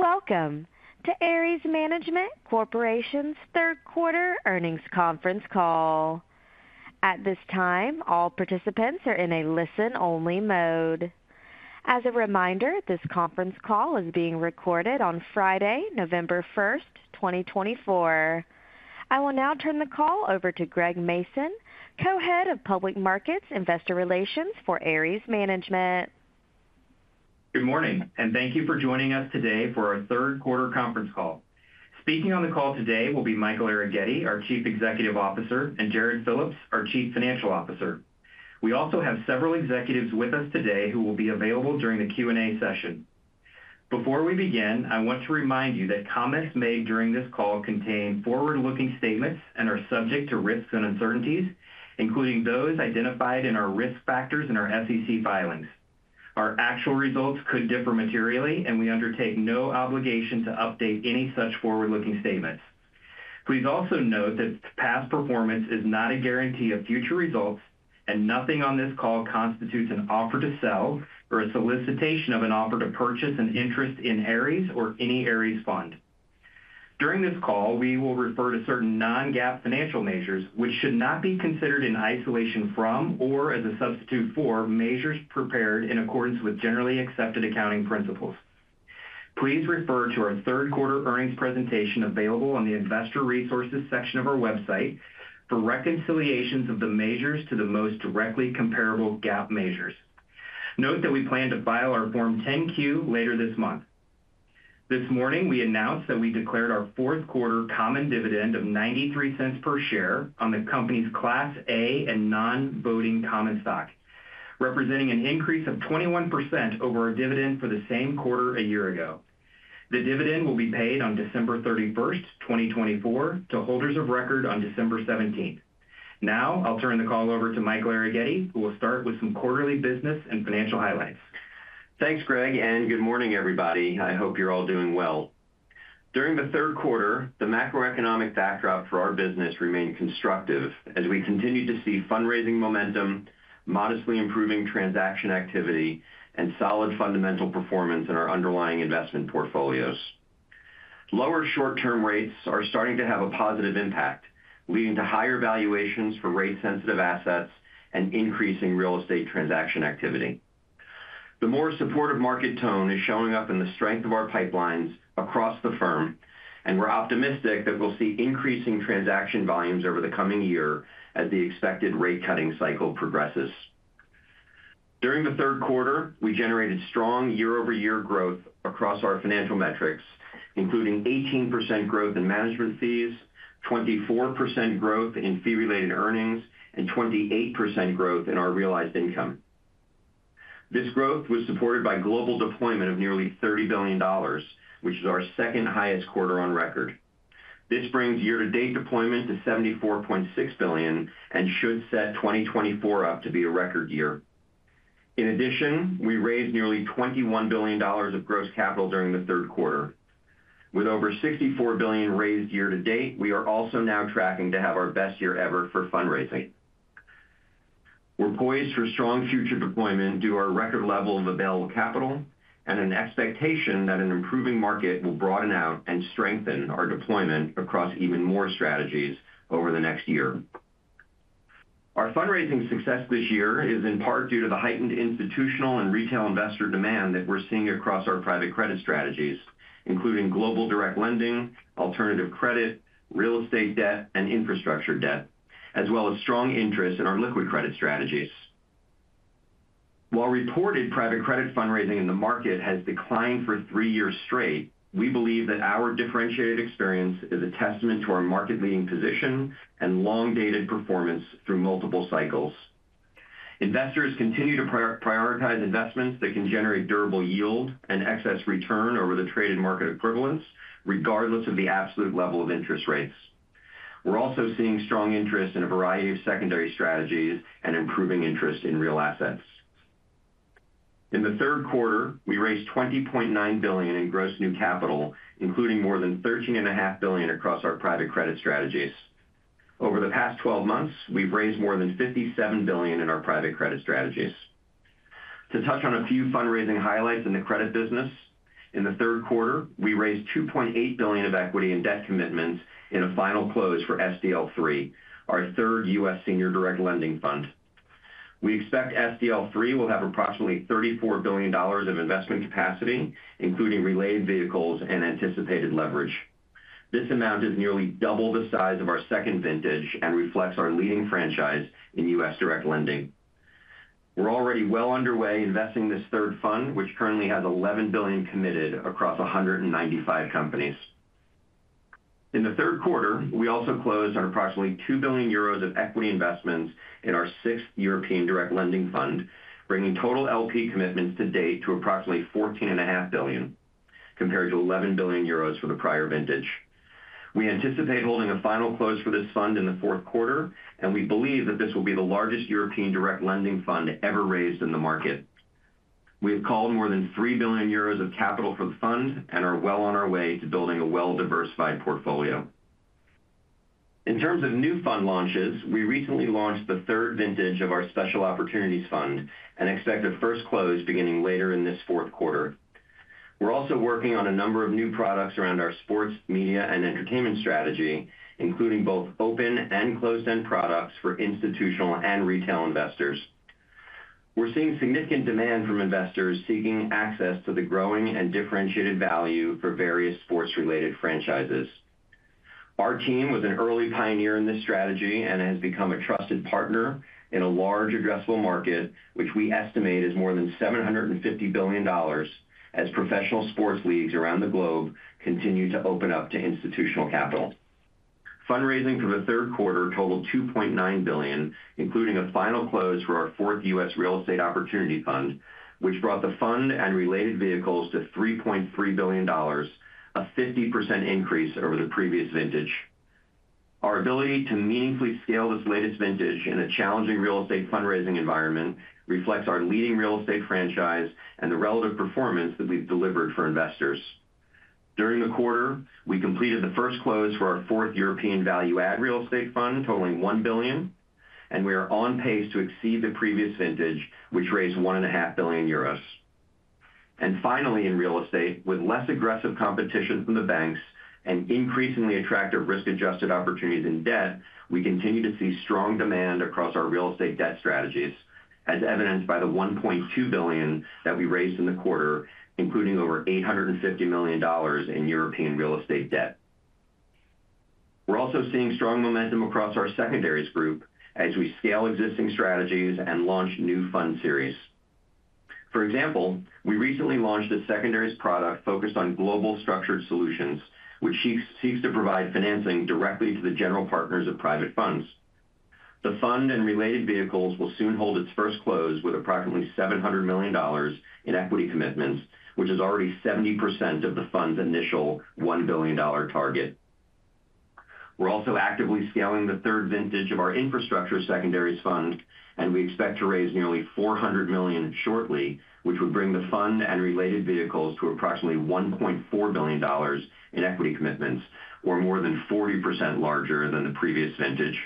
Welcome to Ares Management Corporation's third quarter earnings conference call. At this time, all participants are in a listen-only mode. As a reminder, this conference call is being recorded on Friday, November 1st, 2024. I will now turn the call over to Greg Mason, Co-Head of Public Markets Investor Relations for Ares Management. Good morning, and thank you for joining us today for our third quarter conference call. Speaking on the call today will be Michael Arougheti, our Chief Executive Officer, and Jarrod Phillips, our Chief Financial Officer. We also have several executives with us today who will be available during the Q&A session. Before we begin, I want to remind you that comments made during this call contain forward-looking statements and are subject to risks and uncertainties, including those identified in our risk factors in our SEC filings. Our actual results could differ materially, and we undertake no obligation to update any such forward-looking statements. Please also note that past performance is not a guarantee of future results, and nothing on this call constitutes an offer to sell or a solicitation of an offer to purchase an interest in Ares or any Ares fund. During this call, we will refer to certain non-GAAP financial measures, which should not be considered in isolation from or as a substitute for measures prepared in accordance with Generally Accepted Accounting Principles. Please refer to our third quarter earnings presentation available on the Investor Resources section of our website for reconciliations of the measures to the most directly comparable GAAP measures. Note that we plan to file our Form 10-Q later this month. This morning, we announced that we declared our fourth quarter common dividend of $0.93 per share on the company's Class A and non-voting common stock, representing an increase of 21% over our dividend for the same quarter a year ago. The dividend will be paid on December 31st, 2024, to holders of record on December 17th. Now, I'll turn the call over to Michael Arougheti, who will start with some quarterly business and financial highlights. Thanks, Greg, and good morning, everybody. I hope you're all doing well. During the third quarter, the macroeconomic backdrop for our business remained constructive as we continued to see fundraising momentum, modestly improving transaction activity, and solid fundamental performance in our underlying investment portfolios. Lower short-term rates are starting to have a positive impact, leading to higher valuations for rate-sensitive assets and increasing real estate transaction activity. The more supportive market tone is showing up in the strength of our pipelines across the firm, and we're optimistic that we'll see increasing transaction volumes over the coming year as the expected rate-cutting cycle progresses. During the third quarter, we generated strong year-over-year growth across our financial metrics, including 18% growth in management fees, 24% growth in fee-related earnings, and 28% growth in our realized income. This growth was supported by global deployment of nearly $30 billion, which is our second highest quarter on record. This brings year-to-date deployment to $74.6 billion and should set 2024 up to be a record year. In addition, we raised nearly $21 billion of gross capital during the third quarter. With over $64 billion raised year-to-date, we are also now tracking to have our best year ever for fundraising. We're poised for strong future deployment due to our record level of available capital and an expectation that an improving market will broaden out and strengthen our deployment across even more strategies over the next year. Our fundraising success this year is in part due to the heightened institutional and retail investor demand that we're seeing across our private credit strategies, including global direct lending, alternative credit, real estate debt, and infrastructure debt, as well as strong interest in our liquid credit strategies. While reported private credit fundraising in the market has declined for three years straight, we believe that our differentiated experience is a testament to our market-leading position and long-dated performance through multiple cycles. Investors continue to prioritize investments that can generate durable yield and excess return over the traded market equivalents, regardless of the absolute level of interest rates. We're also seeing strong interest in a variety of secondary strategies and improving interest in real assets. In the third quarter, we raised $20.9 billion in gross new capital, including more than $13.5 billion across our private credit strategies. Over the past 12 months, we've raised more than $57 billion in our private credit strategies. To touch on a few fundraising highlights in the credit business, in the third quarter, we raised $2.8 billion of equity and debt commitments in a final close for SDL III, our third U.S. senior direct lending fund. We expect SDL III will have approximately $34 billion of investment capacity, including relay vehicles and anticipated leverage. This amount is nearly double the size of our second vintage and reflects our leading franchise in U.S. direct lending. We're already well underway investing in this third fund, which currently has $11 billion committed across 195 companies. In the third quarter, we also closed on approximately 2 billion euros of equity investments in our sixth European direct lending fund, bringing total LP commitments to date to approximately 14.5 billion, compared to 11 billion euros for the prior vintage. We anticipate holding a final close for this fund in the fourth quarter, and we believe that this will be the largest European direct lending fund ever raised in the market. We have called more than 3 billion euros of capital for the fund and are well on our way to building a well-diversified portfolio. In terms of new fund launches, we recently launched the third vintage of our Special Opportunities Fund and expect a first close beginning later in this fourth quarter. We're also working on a number of new products around our sports, media, and entertainment strategy, including both open and closed-end products for institutional and retail investors. We're seeing significant demand from investors seeking access to the growing and differentiated value for various sports-related franchises. Our team was an early pioneer in this strategy and has become a trusted partner in a large addressable market, which we estimate is more than $750 billion, as professional sports leagues around the globe continue to open up to institutional capital. Fundraising for the third quarter totaled $2.9 billion, including a final close for our fourth U.S. real estate opportunity fund, which brought the fund and related vehicles to $3.3 billion, a 50% increase over the previous vintage. Our ability to meaningfully scale this latest vintage in a challenging real estate fundraising environment reflects our leading real estate franchise and the relative performance that we've delivered for investors. During the quarter, we completed the first close for our fourth European value-add real estate fund, totaling $1 billion, and we are on pace to exceed the previous vintage, which raised 1.5 billion euros. Finally, in real estate, with less aggressive competition from the banks and increasingly attractive risk-adjusted opportunities in debt, we continue to see strong demand across our real estate debt strategies, as evidenced by the $1.2 billion that we raised in the quarter, including over $850 million in European real estate debt. We're also seeing strong momentum across our secondaries group as we scale existing strategies and launch new fund series. For example, we recently launched a secondaries product focused on global structured solutions, which seeks to provide financing directly to the general partners of private funds. The fund and related vehicles will soon hold its first close with approximately $700 million in equity commitments, which is already 70% of the fund's initial $1 billion target. We're also actively scaling the third vintage of our infrastructure secondaries fund, and we expect to raise nearly $400 million shortly, which would bring the fund and related vehicles to approximately $1.4 billion in equity commitments, or more than 40% larger than the previous vintage.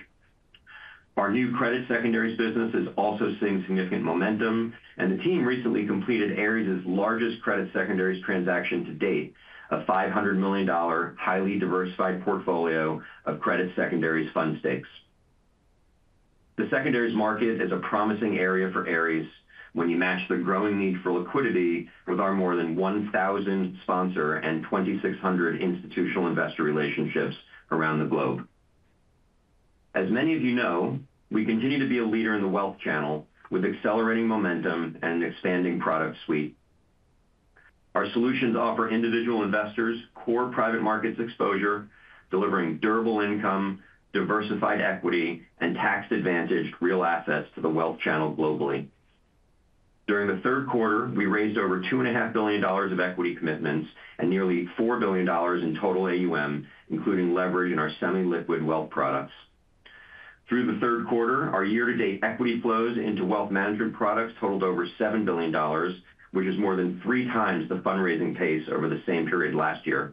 Our new credit secondaries business is also seeing significant momentum, and the team recently completed Ares' largest credit secondaries transaction to date, a $500 million highly diversified portfolio of credit secondaries fund stakes. The secondaries market is a promising area for Ares when you match the growing need for liquidity with our more than 1,000 sponsors and 2,600 institutional investor relationships around the globe. As many of you know, we continue to be a leader in the wealth channel with accelerating momentum and an expanding product suite. Our solutions offer individual investors core private markets exposure, delivering durable income, diversified equity, and tax-advantaged real assets to the wealth channel globally. During the third quarter, we raised over $2.5 billion of equity commitments and nearly $4 billion in total AUM, including leverage in our semi-liquid wealth products. Through the third quarter, our year-to-date equity flows into wealth management products totaled over $7 billion, which is more than three times the fundraising pace over the same period last year.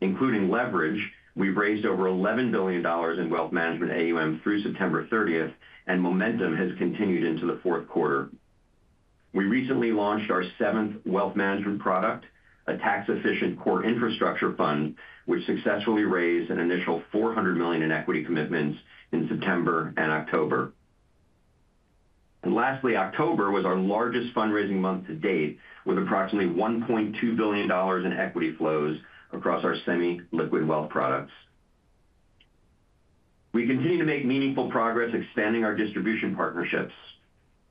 Including leverage, we've raised over $11 billion in wealth management AUM through September 30th, and momentum has continued into the fourth quarter. We recently launched our seventh wealth management product, a tax-efficient core infrastructure fund, which successfully raised an initial $400 million in equity commitments in September and October. Lastly, October was our largest fundraising month to date, with approximately $1.2 billion in equity flows across our semi-liquid wealth products. We continue to make meaningful progress expanding our distribution partnerships.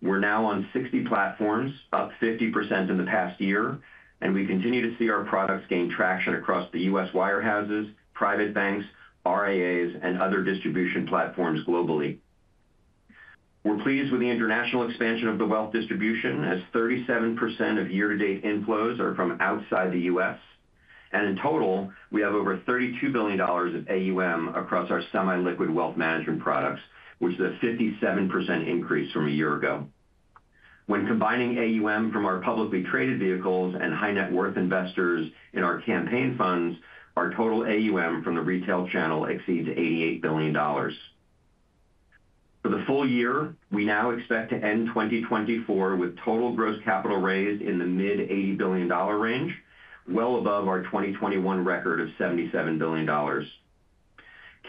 We're now on 60 platforms, up 50% in the past year, and we continue to see our products gain traction across the U.S. wirehouses, private banks, RIAs, and other distribution platforms globally. We're pleased with the international expansion of the wealth distribution, as 37% of year-to-date inflows are from outside the U.S. In total, we have over $32 billion of AUM across our semi-liquid wealth management products, which is a 57% increase from a year ago. When combining AUM from our publicly traded vehicles and high-net-worth investors in our campaign funds, our total AUM from the retail channel exceeds $88 billion. For the full year, we now expect to end 2024 with total gross capital raised in the mid-$80 billion range, well above our 2021 record of $77 billion.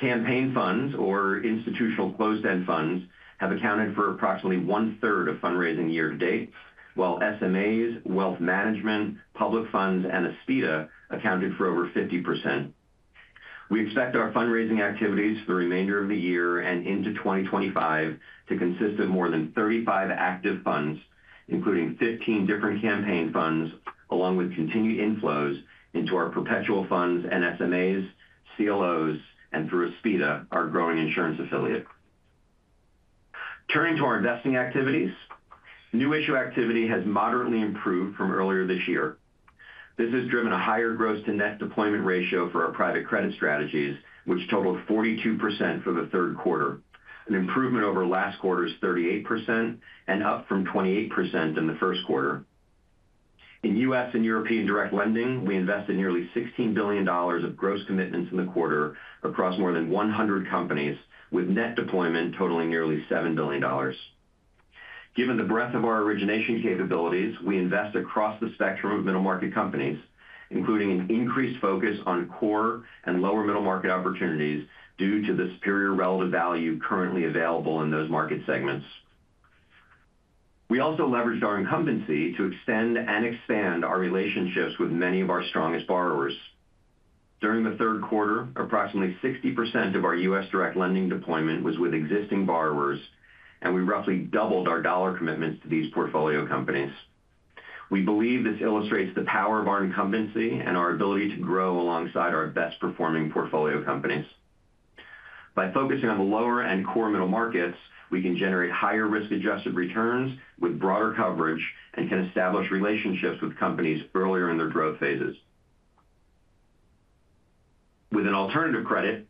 Campaign funds, or institutional closed-end funds, have accounted for approximately one-third of fundraising year-to-date, while SMAs, wealth management, public funds, and Aspida accounted for over 50%. We expect our fundraising activities for the remainder of the year and into 2025 to consist of more than 35 active funds, including 15 different campaign funds, along with continued inflows into our perpetual funds and SMAs, CLOs, and through Aspida, our growing insurance affiliate. Turning to our investing activities, new issue activity has moderately improved from earlier this year. This has driven a higher gross-to-net deployment ratio for our private credit strategies, which totaled 42% for the third quarter, an improvement over last quarter's 38% and up from 28% in the first quarter. In U.S. and European direct lending, we invested nearly $16 billion of gross commitments in the quarter across more than 100 companies, with net deployment totaling nearly $7 billion. Given the breadth of our origination capabilities, we invest across the spectrum of middle-market companies, including an increased focus on core and lower-middle-market opportunities due to the superior relative value currently available in those market segments. We also leveraged our incumbency to extend and expand our relationships with many of our strongest borrowers. During the third quarter, approximately 60% of our U.S. direct lending deployment was with existing borrowers, and we roughly doubled our dollar commitments to these portfolio companies. We believe this illustrates the power of our incumbency and our ability to grow alongside our best-performing portfolio companies. By focusing on the lower and core middle markets, we can generate higher risk-adjusted returns with broader coverage and can establish relationships with companies earlier in their growth phases. With an alternative credit,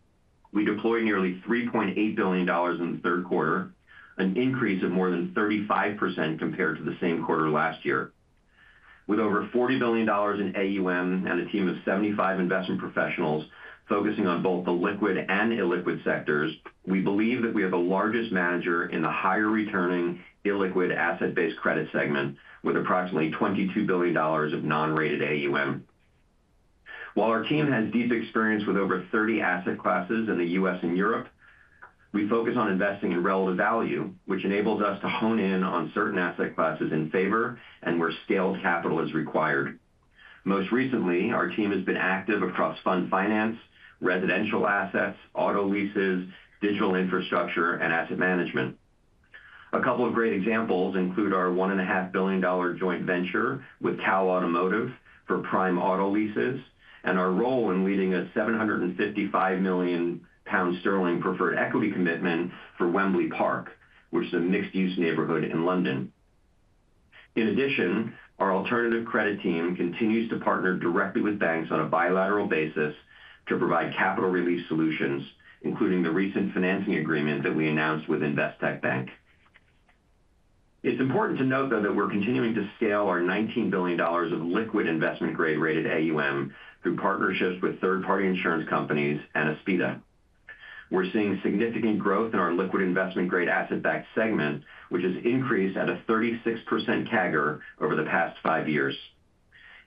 we deployed nearly $3.8 billion in the third quarter, an increase of more than 35% compared to the same quarter last year. With over $40 billion in AUM and a team of 75 investment professionals focusing on both the liquid and illiquid sectors, we believe that we have the largest manager in the higher-returning illiquid asset-based credit segment, with approximately $22 billion of non-rated AUM. While our team has deep experience with over 30 asset classes in the U.S. and Europe, we focus on investing in relative value, which enables us to hone in on certain asset classes in favor and where scaled capital is required. Most recently, our team has been active across fund finance, residential assets, auto leases, digital infrastructure, and asset management. A couple of great examples include our $1.5 billion joint venture with CAL Automotive for prime auto leases and our role in leading a 755 million pound preferred equity commitment for Wembley Park, which is a mixed-use neighborhood in London. In addition, our alternative credit team continues to partner directly with banks on a bilateral basis to provide capital relief solutions, including the recent financing agreement that we announced with Investec. It's important to note, though, that we're continuing to scale our $19 billion of liquid investment-grade rated AUM through partnerships with third-party insurance companies and Aspida. We're seeing significant growth in our liquid investment-grade asset-backed segment, which has increased at a 36% CAGR over the past five years.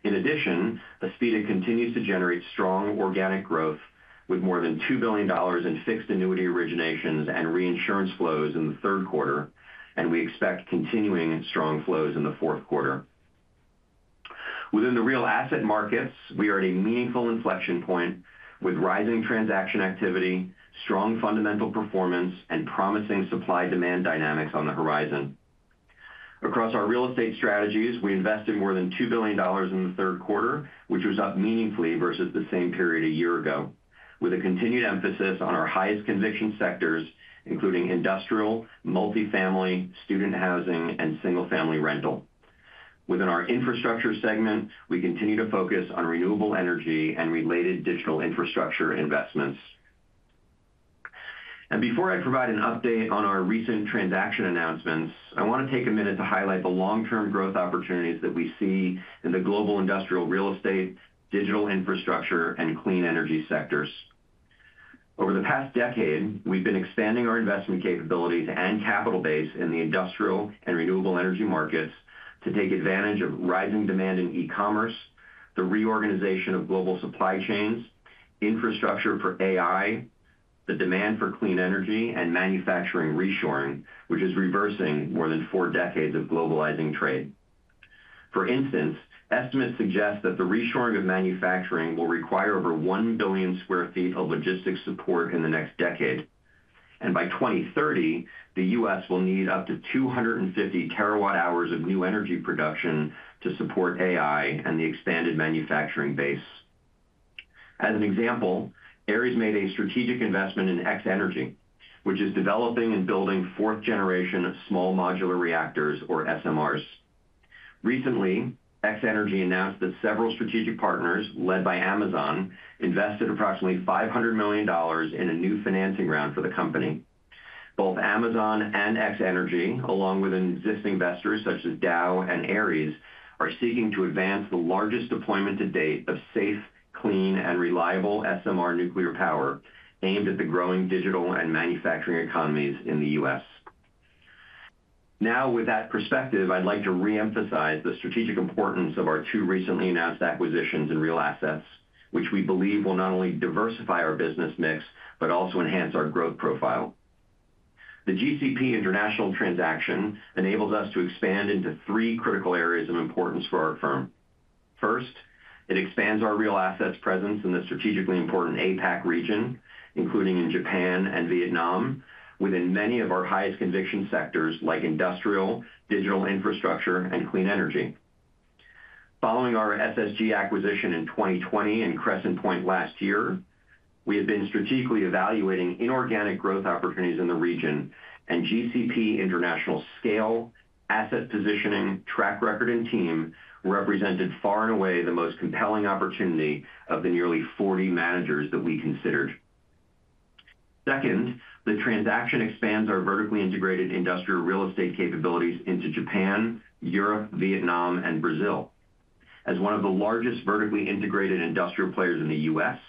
In addition, Aspida continues to generate strong organic growth with more than $2 billion in fixed annuity originations and reinsurance flows in the third quarter, and we expect continuing strong flows in the fourth quarter. Within the real asset markets, we are at a meaningful inflection point with rising transaction activity, strong fundamental performance, and promising supply-demand dynamics on the horizon. Across our real estate strategies, we invested more than $2 billion in the third quarter, which was up meaningfully versus the same period a year ago, with a continued emphasis on our highest conviction sectors, including industrial, multifamily, student housing, and single-family rental. Within our infrastructure segment, we continue to focus on renewable energy and related digital infrastructure investments. And before I provide an update on our recent transaction announcements, I want to take a minute to highlight the long-term growth opportunities that we see in the global industrial real estate, digital infrastructure, and clean energy sectors. Over the past decade, we've been expanding our investment capabilities and capital base in the industrial and renewable energy markets to take advantage of rising demand in e-commerce, the reorganization of global supply chains, infrastructure for AI, the demand for clean energy, and manufacturing reshoring, which is reversing more than four decades of globalizing trade. For instance, estimates suggest that the reshoring of manufacturing will require over 1 billion sq ft of logistics support in the next decade. And by 2030, the U.S. will need up to 250 terawatt-hours of new energy production to support AI and the expanded manufacturing base. As an example, Ares made a strategic investment in X-energy, which is developing and building fourth-generation small modular reactors, or SMRs. Recently, X-energy announced that several strategic partners, led by Amazon, invested approximately $500 million in a new financing round for the company. Both Amazon and X-energy, along with existing investors such as Dow and Ares, are seeking to advance the largest deployment to date of safe, clean, and reliable SMR nuclear power aimed at the growing digital and manufacturing economies in the U.S. Now, with that perspective, I'd like to re-emphasize the strategic importance of our two recently announced acquisitions in real assets, which we believe will not only diversify our business mix but also enhance our growth profile. The GCP International transaction enables us to expand into three critical areas of importance for our firm. First, it expands our real assets presence in the strategically important APAC region, including in Japan and Vietnam, within many of our highest conviction sectors like industrial, digital infrastructure, and clean energy. Following our SSG acquisition in 2020 and Crescent Point last year, we have been strategically evaluating inorganic growth opportunities in the region, and GCP International's scale, asset positioning, track record, and team represented far and away the most compelling opportunity of the nearly 40 managers that we considered. Second, the transaction expands our vertically integrated industrial real estate capabilities into Japan, Europe, Vietnam, and Brazil. As one of the largest vertically integrated industrial players in the U.S.,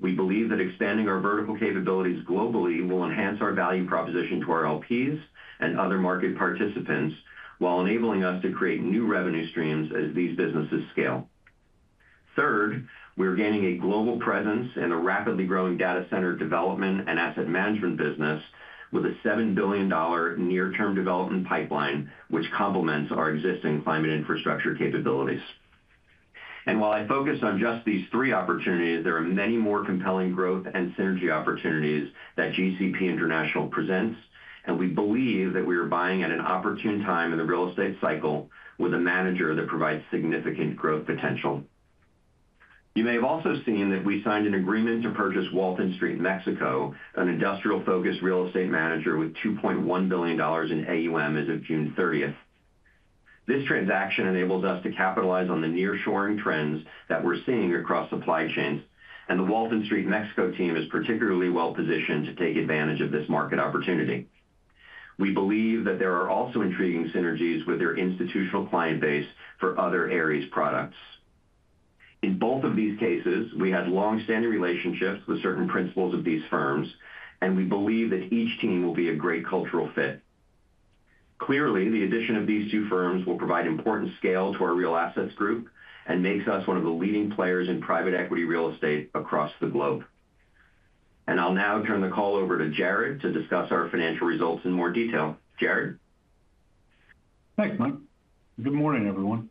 we believe that expanding our vertical capabilities globally will enhance our value proposition to our LPs and other market participants while enabling us to create new revenue streams as these businesses scale. Third, we are gaining a global presence in the rapidly growing data center development and asset management business with a $7 billion near-term development pipeline, which complements our existing climate infrastructure capabilities, and while I focus on just these three opportunities, there are many more compelling growth and synergy opportunities that GCP International presents, and we believe that we are buying at an opportune time in the real estate cycle with a manager that provides significant growth potential. You may have also seen that we signed an agreement to purchase Walton Street Mexico, an industrial-focused real estate manager with $2.1 billion in AUM as of June 30th. This transaction enables us to capitalize on the near-shoring trends that we're seeing across supply chains, and the Walton Street Mexico team is particularly well-positioned to take advantage of this market opportunity. We believe that there are also intriguing synergies with their institutional client base for other Ares products. In both of these cases, we had long-standing relationships with certain principals of these firms, and we believe that each team will be a great cultural fit. Clearly, the addition of these two firms will provide important scale to our real assets group and makes us one of the leading players in private equity real estate across the globe. And I'll now turn the call over to Jarrod to discuss our financial results in more detail. Jarrod? Thanks, Mike. Good morning, everyone.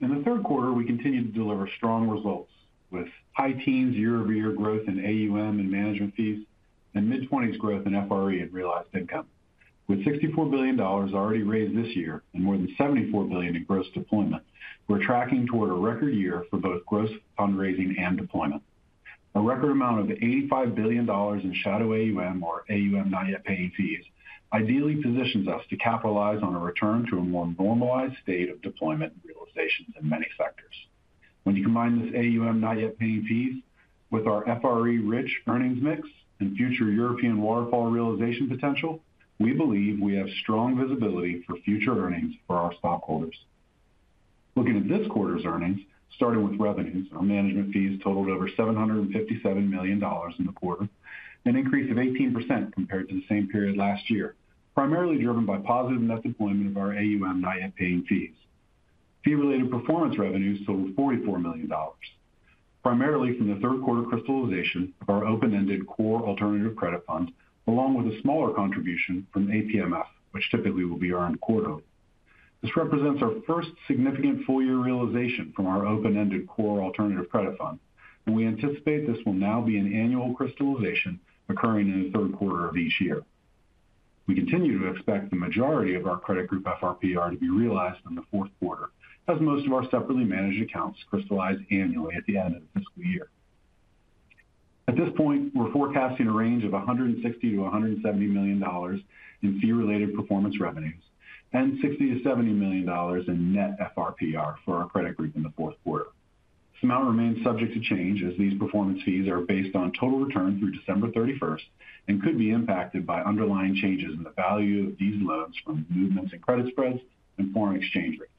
In the third quarter, we continue to deliver strong results with high teens, year-over-year growth in AUM and management fees, and mid-20s growth in FRE and realized income. With $64 billion already raised this year and more than $74 billion in gross deployment, we're tracking toward a record year for both gross fundraising and deployment. A record amount of $85 billion in shadow AUM, or AUM not yet paying fees, ideally positions us to capitalize on a return to a more normalized state of deployment and realizations in many sectors. When you combine this AUM not yet paying fees with our FRE-rich earnings mix and future European waterfall realization potential, we believe we have strong visibility for future earnings for our stockholders. Looking at this quarter's earnings, starting with revenues, our management fees totaled over $757 million in the quarter, an increase of 18% compared to the same period last year, primarily driven by positive net deployment of our AUM not yet paying fees. Fee-related performance revenues totaled $44 million, primarily from the third-quarter crystallization of our open-ended core alternative credit fund, along with a smaller contribution from APMF, which typically will be our end quarter. This represents our first significant full-year realization from our open-ended core alternative credit fund, and we anticipate this will now be an annual crystallization occurring in the third quarter of each year. We continue to expect the majority of our credit group FRPR to be realized in the fourth quarter, as most of our separately managed accounts crystallize annually at the end of the fiscal year. At this point, we're forecasting a range of $160-$170 million in fee-related performance revenues and $60-$70 million in net FRPR for our credit group in the fourth quarter. This amount remains subject to change as these performance fees are based on total return through December 31st and could be impacted by underlying changes in the value of these loans from movements in credit spreads and foreign exchange rates.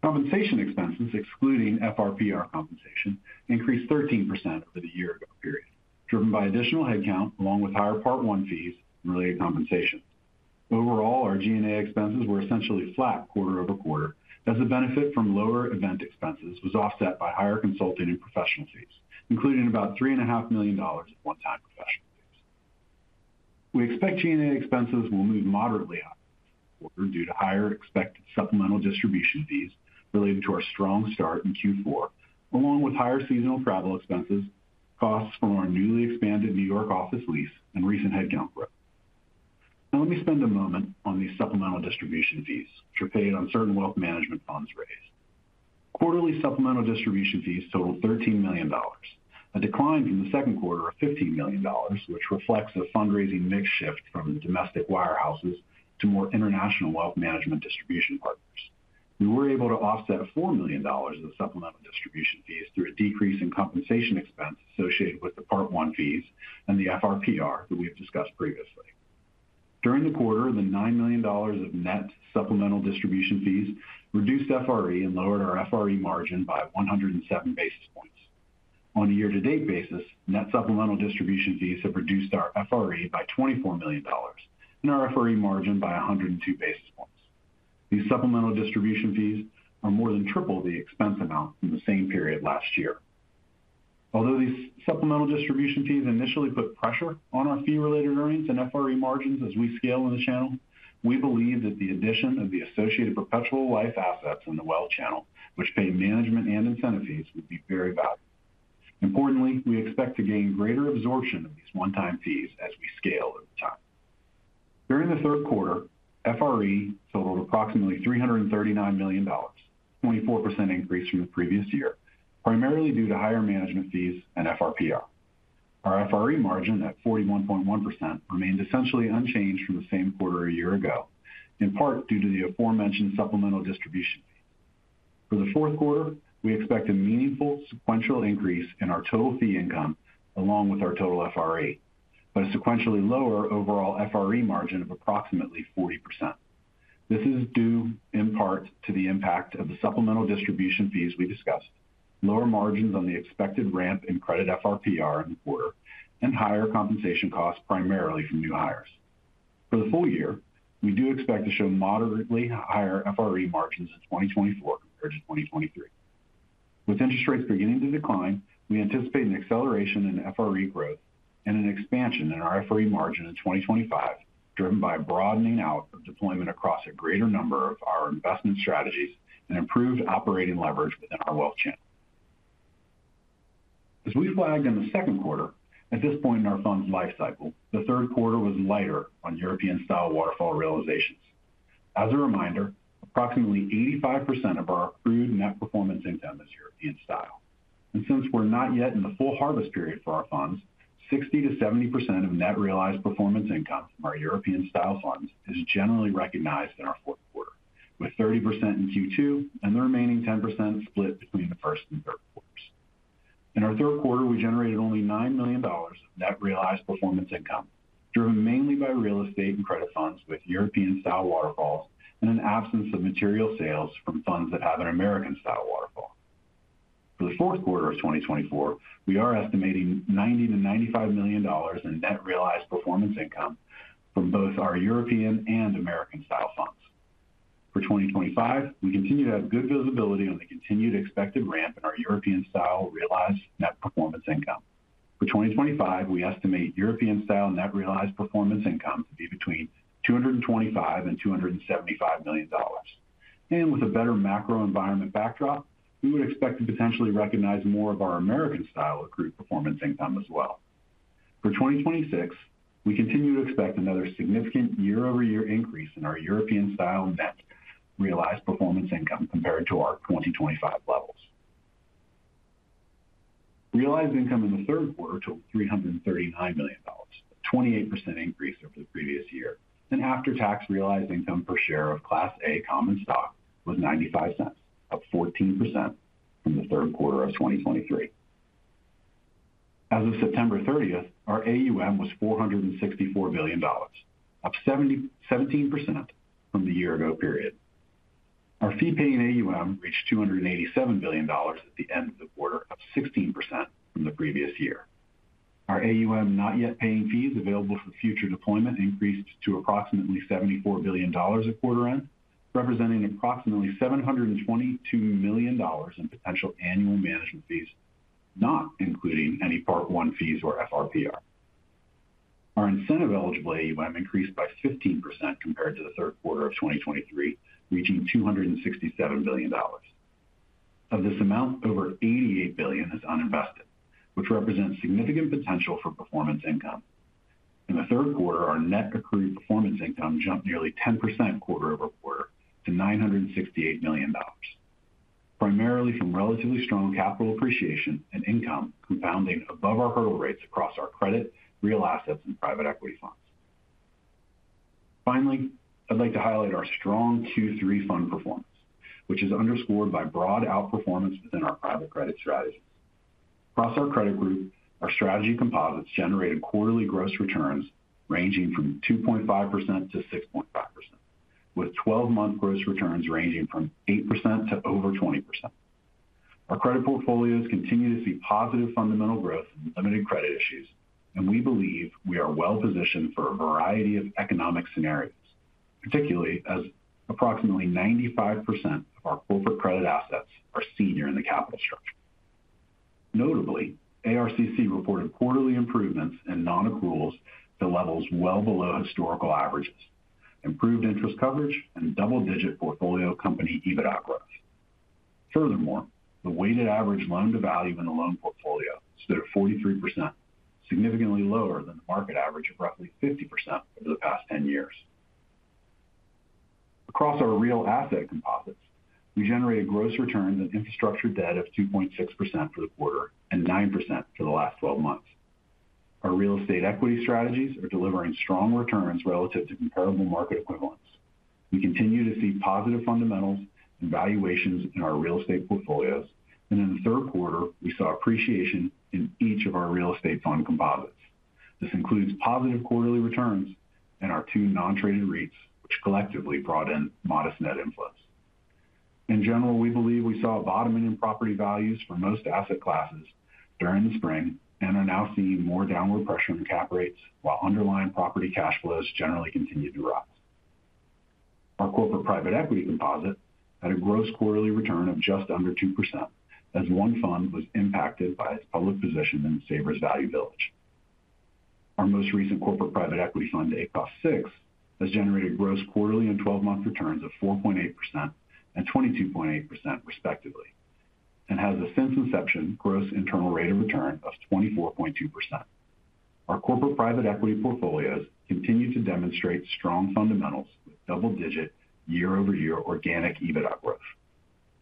Compensation expenses, excluding FRPR compensation, increased 13% over the year-ago period, driven by additional headcount along with higher Part I fees and related compensation. Overall, our G&A expenses were essentially flat quarter over quarter, as the benefit from lower event expenses was offset by higher consulting and professional fees, including about $3.5 million in one-time professional fees. We expect G&A expenses will move moderately up in the fourth quarter due to higher expected supplemental distribution fees related to our strong start in Q4, along with higher seasonal travel expenses, costs from our newly expanded New York office lease, and recent headcount growth. Now, let me spend a moment on these supplemental distribution fees, which are paid on certain wealth management funds raised. Quarterly supplemental distribution fees totaled $13 million, a decline from the second quarter of $15 million, which reflects a fundraising mix shift from domestic wirehouses to more international wealth management distribution partners. We were able to offset $4 million of the supplemental distribution fees through a decrease in compensation expense associated with the Part I fees and the FRPR that we have discussed previously. During the quarter, the $9 million of net supplemental distribution fees reduced FRE and lowered our FRE margin by 107 basis points. On a year-to-date basis, net supplemental distribution fees have reduced our FRE by $24 million and our FRE margin by 102 basis points. These supplemental distribution fees are more than triple the expense amount from the same period last year. Although these supplemental distribution fees initially put pressure on our fee-related earnings and FRE margins as we scale in the channel, we believe that the addition of the associated perpetual life assets in the wealth channel, which pay management and incentive fees, would be very valuable. Importantly, we expect to gain greater absorption of these one-time fees as we scale over time. During the third quarter, FRE totaled approximately $339 million, a 24% increase from the previous year, primarily due to higher management fees and FRPR. Our FRE margin at 41.1% remains essentially unchanged from the same quarter a year ago, in part due to the aforementioned supplemental distribution fees. For the fourth quarter, we expect a meaningful sequential increase in our total fee income along with our total FRE, but a sequentially lower overall FRE margin of approximately 40%. This is due, in part, to the impact of the supplemental distribution fees we discussed, lower margins on the expected ramp in credit FRPR in the quarter, and higher compensation costs primarily from new hires. For the full year, we do expect to show moderately higher FRE margins in 2024 compared to 2023. With interest rates beginning to decline, we anticipate an acceleration in FRE growth and an expansion in our FRE margin in 2025, driven by broadening out of deployment across a greater number of our investment strategies and improved operating leverage within our wealth channel. As we flagged in the second quarter, at this point in our fund's lifecycle, the third quarter was lighter on European-style waterfall realizations. As a reminder, approximately 85% of our accrued net performance income is European-style. Since we're not yet in the full harvest period for our funds, 60%-70% of net realized performance income from our European-style funds is generally recognized in our fourth quarter, with 30% in Q2 and the remaining 10% split between the first and third quarters. In our third quarter, we generated only $9 million of net realized performance income, driven mainly by real estate and credit funds with European-style waterfalls and an absence of material sales from funds that have an American-style waterfall. For the fourth quarter of 2024, we are estimating $90-$95 million in net realized performance income from both our European and American-style funds. For 2025, we continue to have good visibility on the continued expected ramp in our European-style realized net performance income. For 2025, we estimate European-style net realized performance income to be between $225 and $275 million. And with a better macro environment backdrop, we would expect to potentially recognize more of our American-style accrued performance income as well. For 2026, we continue to expect another significant year-over-year increase in our European-style net realized performance income compared to our 2025 levels. Realized income in the third quarter totaled $339 million, a 28% increase over the previous year, and after-tax realized income per share of Class A common stock was $0.95, up 14% from the third quarter of 2023. As of September 30th, our AUM was $464 billion, up 17% from the year-ago period. Our fee-paying AUM reached $287 billion at the end of the quarter, up 16% from the previous year. Our AUM not yet paying fees available for future deployment increased to approximately $74 billion at quarter end, representing approximately $722 million in potential annual management fees, not including any Part I fees or FRPR. Our incentive-eligible AUM increased by 15% compared to the third quarter of 2023, reaching $267 billion. Of this amount, over $88 billion is uninvested, which represents significant potential for performance income. In the third quarter, our net accrued performance income jumped nearly 10% quarter over quarter to $968 million, primarily from relatively strong capital appreciation and income compounding above our hurdle rates across our credit, real assets, and private equity funds. Finally, I'd like to highlight our strong Q3 fund performance, which is underscored by broad outperformance within our private credit strategies. Across our credit group, our strategy composites generated quarterly gross returns ranging from 2.5%-6.5%, with 12-month gross returns ranging from 8% to over 20%. Our credit portfolios continue to see positive fundamental growth and limited credit issues, and we believe we are well-positioned for a variety of economic scenarios, particularly as approximately 95% of our corporate credit assets are senior in the capital structure. Notably, ARCC reported quarterly improvements in non-accruals to levels well below historical averages, improved interest coverage, and double-digit portfolio company EBITDA growth. Furthermore, the weighted average loan-to-value in the loan portfolio stood at 43%, significantly lower than the market average of roughly 50% over the past 10 years. Across our real asset composites, we generate gross returns in infrastructure debt of 2.6% for the quarter and 9% for the last 12 months. Our real estate equity strategies are delivering strong returns relative to comparable market equivalents. We continue to see positive fundamentals and valuations in our real estate portfolios, and in the third quarter, we saw appreciation in each of our real estate fund composites. This includes positive quarterly returns in our two non-traded REITs, which collectively brought in modest net inflows. In general, we believe we saw a bottoming in property values for most asset classes during the spring and are now seeing more downward pressure in cap rates, while underlying property cash flows generally continue to rise. Our corporate private equity composite had a gross quarterly return of just under 2%, as one fund was impacted by its public position in Savers Value Village. Our most recent corporate private equity fund, ACOF VI, has generated gross quarterly and 12-month returns of 4.8% and 22.8%, respectively, and has a since-inception gross internal rate of return of 24.2%. Our corporate private equity portfolios continue to demonstrate strong fundamentals with double-digit year-over-year organic EBITDA growth.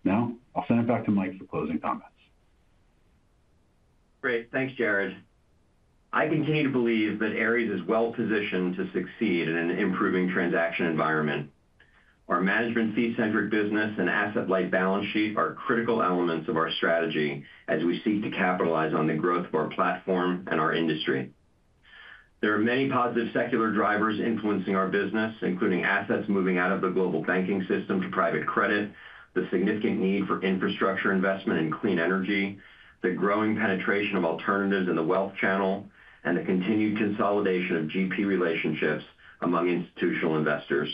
Now, I'll send it back to Mike for closing comments. Great. Thanks, Jarrod. I continue to believe that Ares is well-positioned to succeed in an improving transaction environment. Our management fee-centric business and asset-light balance sheet are critical elements of our strategy as we seek to capitalize on the growth of our platform and our industry. There are many positive secular drivers influencing our business, including assets moving out of the global banking system to private credit, the significant need for infrastructure investment in clean energy, the growing penetration of alternatives in the wealth channel, and the continued consolidation of GP relationships among institutional investors.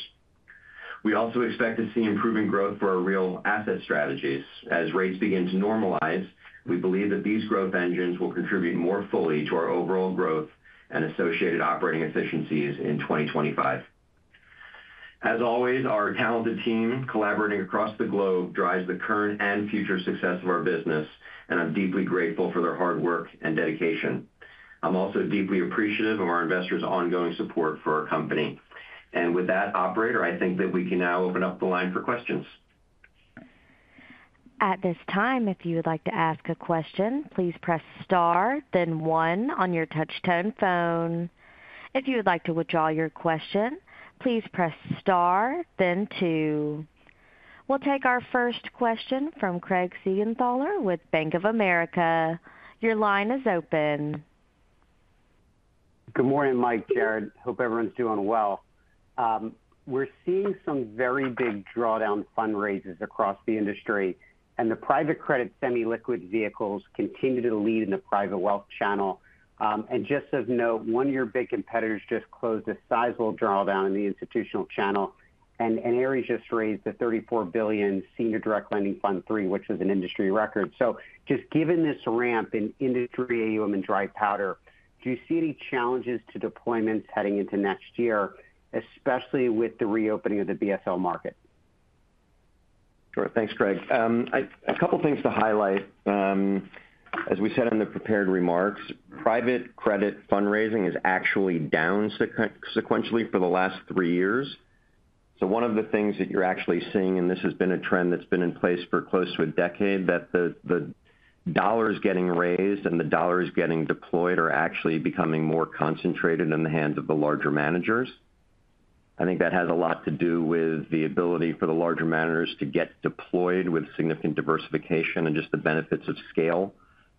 We also expect to see improving growth for our real asset strategies. As rates begin to normalize, we believe that these growth engines will contribute more fully to our overall growth and associated operating efficiencies in 2025. As always, our talented team collaborating across the globe drives the current and future success of our business, and I'm deeply grateful for their hard work and dedication. I'm also deeply appreciative of our investors' ongoing support for our company. And with that, Operator, I think that we can now open up the line for questions. At this time, if you would like to ask a question, please press Star, then 1 on your touch-tone phone. If you would like to withdraw your question, please press Star, then 2. We'll take our first question from Craig Siegenthaler with Bank of America. Your line is open. Good morning, Mike, Jarrod. Hope everyone's doing well. We're seeing some very big drawdown fundraisers across the industry, and the private credit semi-liquid vehicles continue to lead in the private wealth channel. And just as a note, one of your big competitors just closed a sizable drawdown in the institutional channel, and Ares just raised the $34 billion senior direct lending fund 3, which is an industry record. So just given this ramp in industry AUM and dry powder, do you see any challenges to deployments heading into next year, especially with the reopening of the BSL market? Sure. Thanks, Craig. A couple of things to highlight. As we said in the prepared remarks, private credit fundraising has actually declined sequentially for the last three years. So one of the things that you're actually seeing, and this has been a trend that's been in place for close to a decade, that the dollars getting raised and the dollars getting deployed are actually becoming more concentrated in the hands of the larger managers. I think that has a lot to do with the ability for the larger managers to get deployed with significant diversification and just the benefits of scale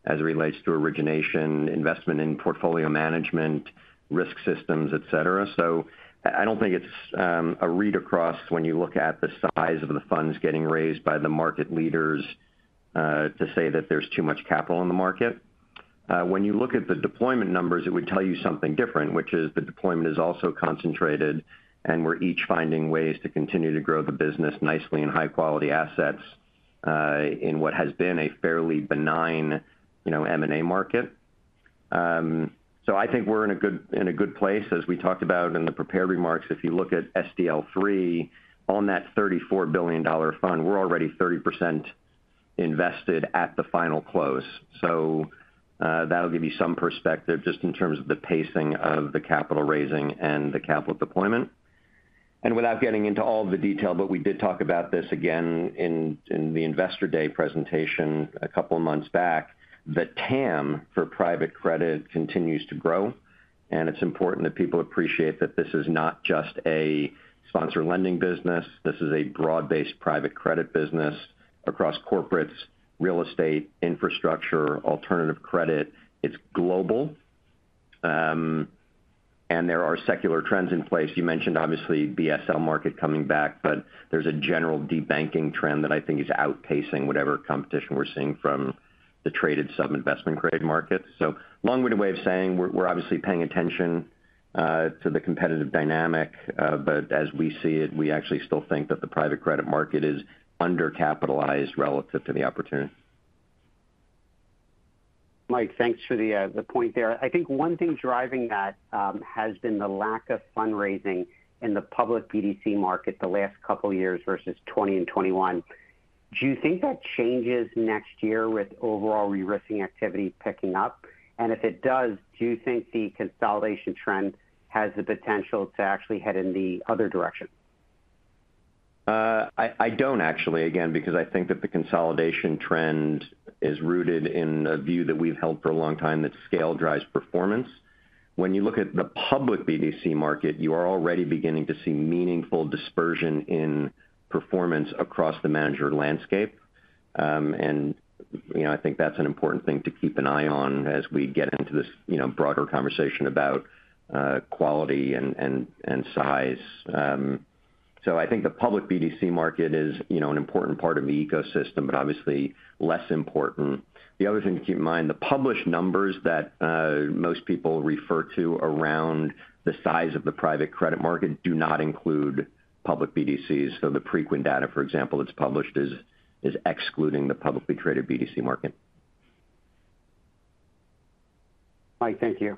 as it relates to origination, investment in portfolio management, risk systems, etc. So I don't think it's a read across when you look at the size of the funds getting raised by the market leaders to say that there's too much capital in the market. When you look at the deployment numbers, it would tell you something different, which is the deployment is also concentrated, and we're each finding ways to continue to grow the business nicely in high-quality assets in what has been a fairly benign M&A market. So I think we're in a good place, as we talked about in the prepared remarks. If you look at SDL III, on that $34 billion fund, we're already 30% invested at the final close. So that'll give you some perspective just in terms of the pacing of the capital raising and the capital deployment. Without getting into all of the detail, but we did talk about this again in the investor day presentation a couple of months back, the TAM for private credit continues to grow, and it's important that people appreciate that this is not just a sponsored lending business. This is a broad-based private credit business across corporates, real estate, infrastructure, alternative credit. It's global, and there are secular trends in place. You mentioned, obviously, BSL market coming back, but there's a general de-banking trend that I think is outpacing whatever competition we're seeing from the traded sub-investment grade market, so long-winded way of saying, we're obviously paying attention to the competitive dynamic, but as we see it, we actually still think that the private credit market is undercapitalized relative to the opportunity. Mike, thanks for the point there. I think one thing driving that has been the lack of fundraising in the public BDC market the last couple of years versus 2020 and 2021. Do you think that changes next year with overall rising activity picking up, and if it does, do you think the consolidation trend has the potential to actually head in the other direction? I don't, actually, again, because I think that the consolidation trend is rooted in a view that we've held for a long time that scale drives performance. When you look at the public BDC market, you are already beginning to see meaningful dispersion in performance across the manager landscape. And I think that's an important thing to keep an eye on as we get into this broader conversation about quality and size. So I think the public BDC market is an important part of the ecosystem, but obviously less important. The other thing to keep in mind, the published numbers that most people refer to around the size of the private credit market do not include public BDCs. So the Preqin data, for example, that's published is excluding the publicly traded BDC market. Mike, thank you.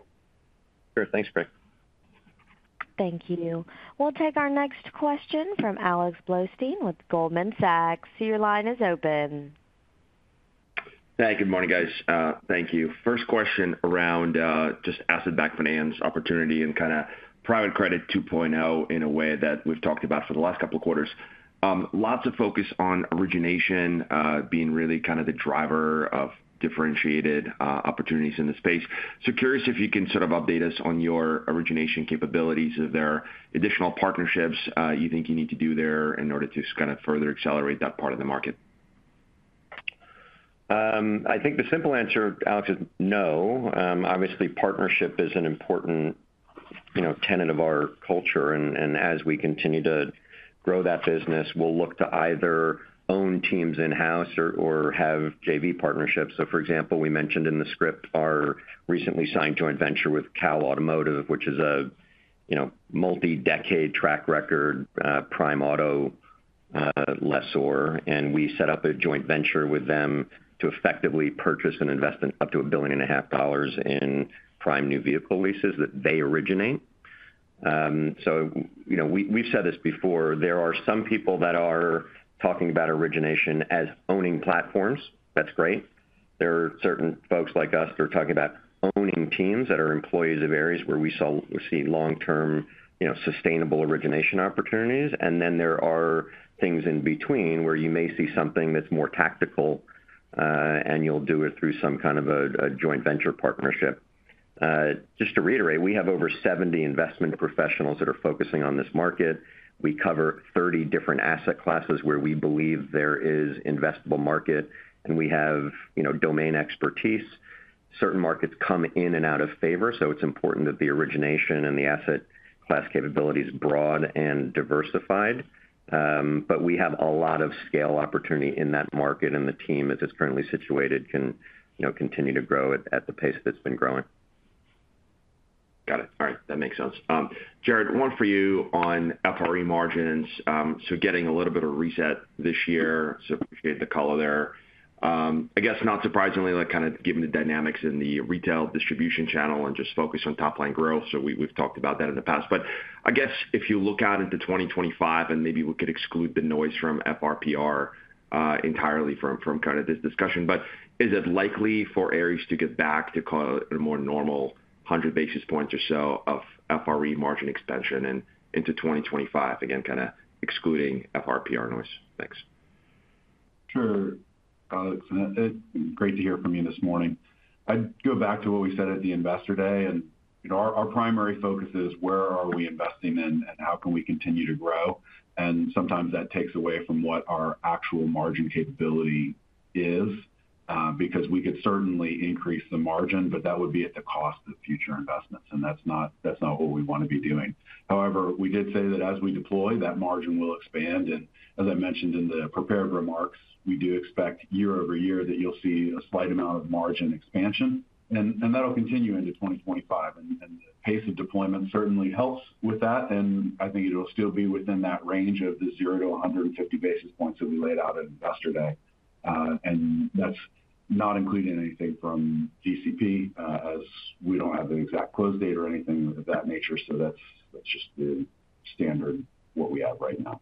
Sure. Thanks, Craig. Thank you. We'll take our next question from Alex Blostein with Goldman Sachs. Your line is open. Hey, good morning, guys. Thank you. First question around just asset-backed finance opportunity and kind of private credit 2.0 in a way that we've talked about for the last couple of quarters. Lots of focus on origination being really kind of the driver of differentiated opportunities in the space. So curious if you can sort of update us on your origination capabilities or if there are additional partnerships you think you need to do there in order to kind of further accelerate that part of the market. I think the simple answer, Alex, is no. Obviously, partnership is an important tenet of our culture, and as we continue to grow that business, we'll look to either own teams in-house or have JV partnerships. For example, we mentioned in the script our recently signed joint venture with CAL Automotive, which is a multi-decade track record prime auto lessor. And we set up a joint venture with them to effectively purchase and invest in up to $1.5 billion in prime new vehicle leases that they originate. So we've said this before. There are some people that are talking about origination as owning platforms. That's great. There are certain folks like us that are talking about owning teams that are employees of Ares where we see long-term sustainable origination opportunities. And then there are things in between where you may see something that's more tactical, and you'll do it through some kind of a joint venture partnership. Just to reiterate, we have over 70 investment professionals that are focusing on this market. We cover 30 different asset classes where we believe there is investable market, and we have domain expertise. Certain markets come in and out of favor, so it's important that the origination and the asset class capability is broad and diversified. But we have a lot of scale opportunity in that market, and the team, as it's currently situated, can continue to grow at the pace that it's been growing. Got it. All right. That makes sense. Jarrod, one for you on FRE margins. So getting a little bit of a reset this year, so appreciate the color there. I guess, not surprisingly, kind of given the dynamics in the retail distribution channel and just focus on top-line growth. So we've talked about that in the past. But I guess if you look out into 2025, and maybe we could exclude the noise from FRPR entirely from kind of this discussion, but is it likely for Ares to get back to a more normal 100 basis points or so of FRE margin expansion into 2025? Again, kind of excluding FRPR noise. Thanks. Sure, Alex. Great to hear from you this morning. I'd go back to what we said at the investor day, and our primary focus is where are we investing in and how can we continue to grow. And sometimes that takes away from what our actual margin capability is because we could certainly increase the margin, but that would be at the cost of future investments, and that's not what we want to be doing. However, we did say that as we deploy, that margin will expand. As I mentioned in the prepared remarks, we do expect year over year that you'll see a slight amount of margin expansion, and that'll continue into 2025. The pace of deployment certainly helps with that, and I think it'll still be within that range of the 0-150 basis points that we laid out at investor day. That's not including anything from GCP, as we don't have the exact close date or anything of that nature. So that's just the standard of what we have right now.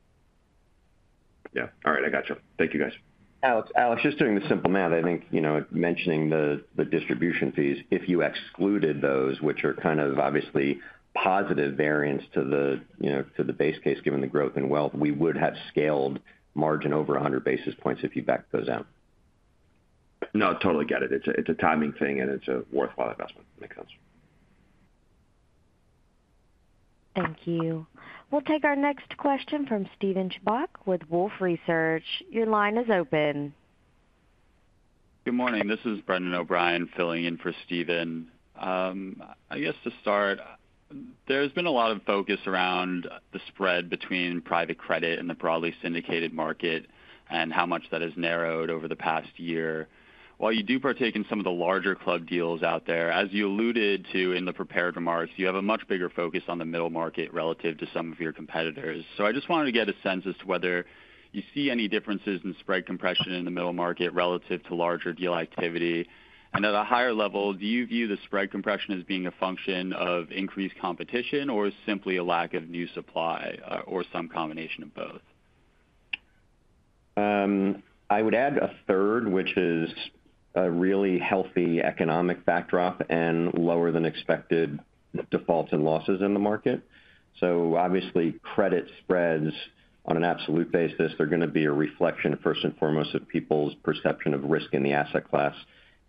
Yeah. All right. I gotcha. Thank you, guys. Alex, just doing the simple math, I think mentioning the distribution fees, if you excluded those, which are kind of obviously positive variants to the base case, given the growth and wealth, we would have scaled margin over 100 basis points if you back those out. No, totally get it. It's a timing thing, and it's a worthwhile investment. Makes sense. Thank you. We'll take our next question from Steven Chubak with Wolfe Research. Your line is open. Good morning. This is Brendan O'Brien filling in for Steven. I guess to start, there's been a lot of focus around the spread between private credit and the broadly syndicated market and how much that has narrowed over the past year. While you do partake in some of the larger club deals out there, as you alluded to in the prepared remarks, you have a much bigger focus on the middle market relative to some of your competitors. So I just wanted to get a sense as to whether you see any differences in spread compression in the middle market relative to larger deal activity. And at a higher level, do you view the spread compression as being a function of increased competition or simply a lack of new supply or some combination of both? I would add a third, which is a really healthy economic backdrop and lower than expected defaults and losses in the market. So obviously, credit spreads on an absolute basis, they're going to be a reflection, first and foremost, of people's perception of risk in the asset class.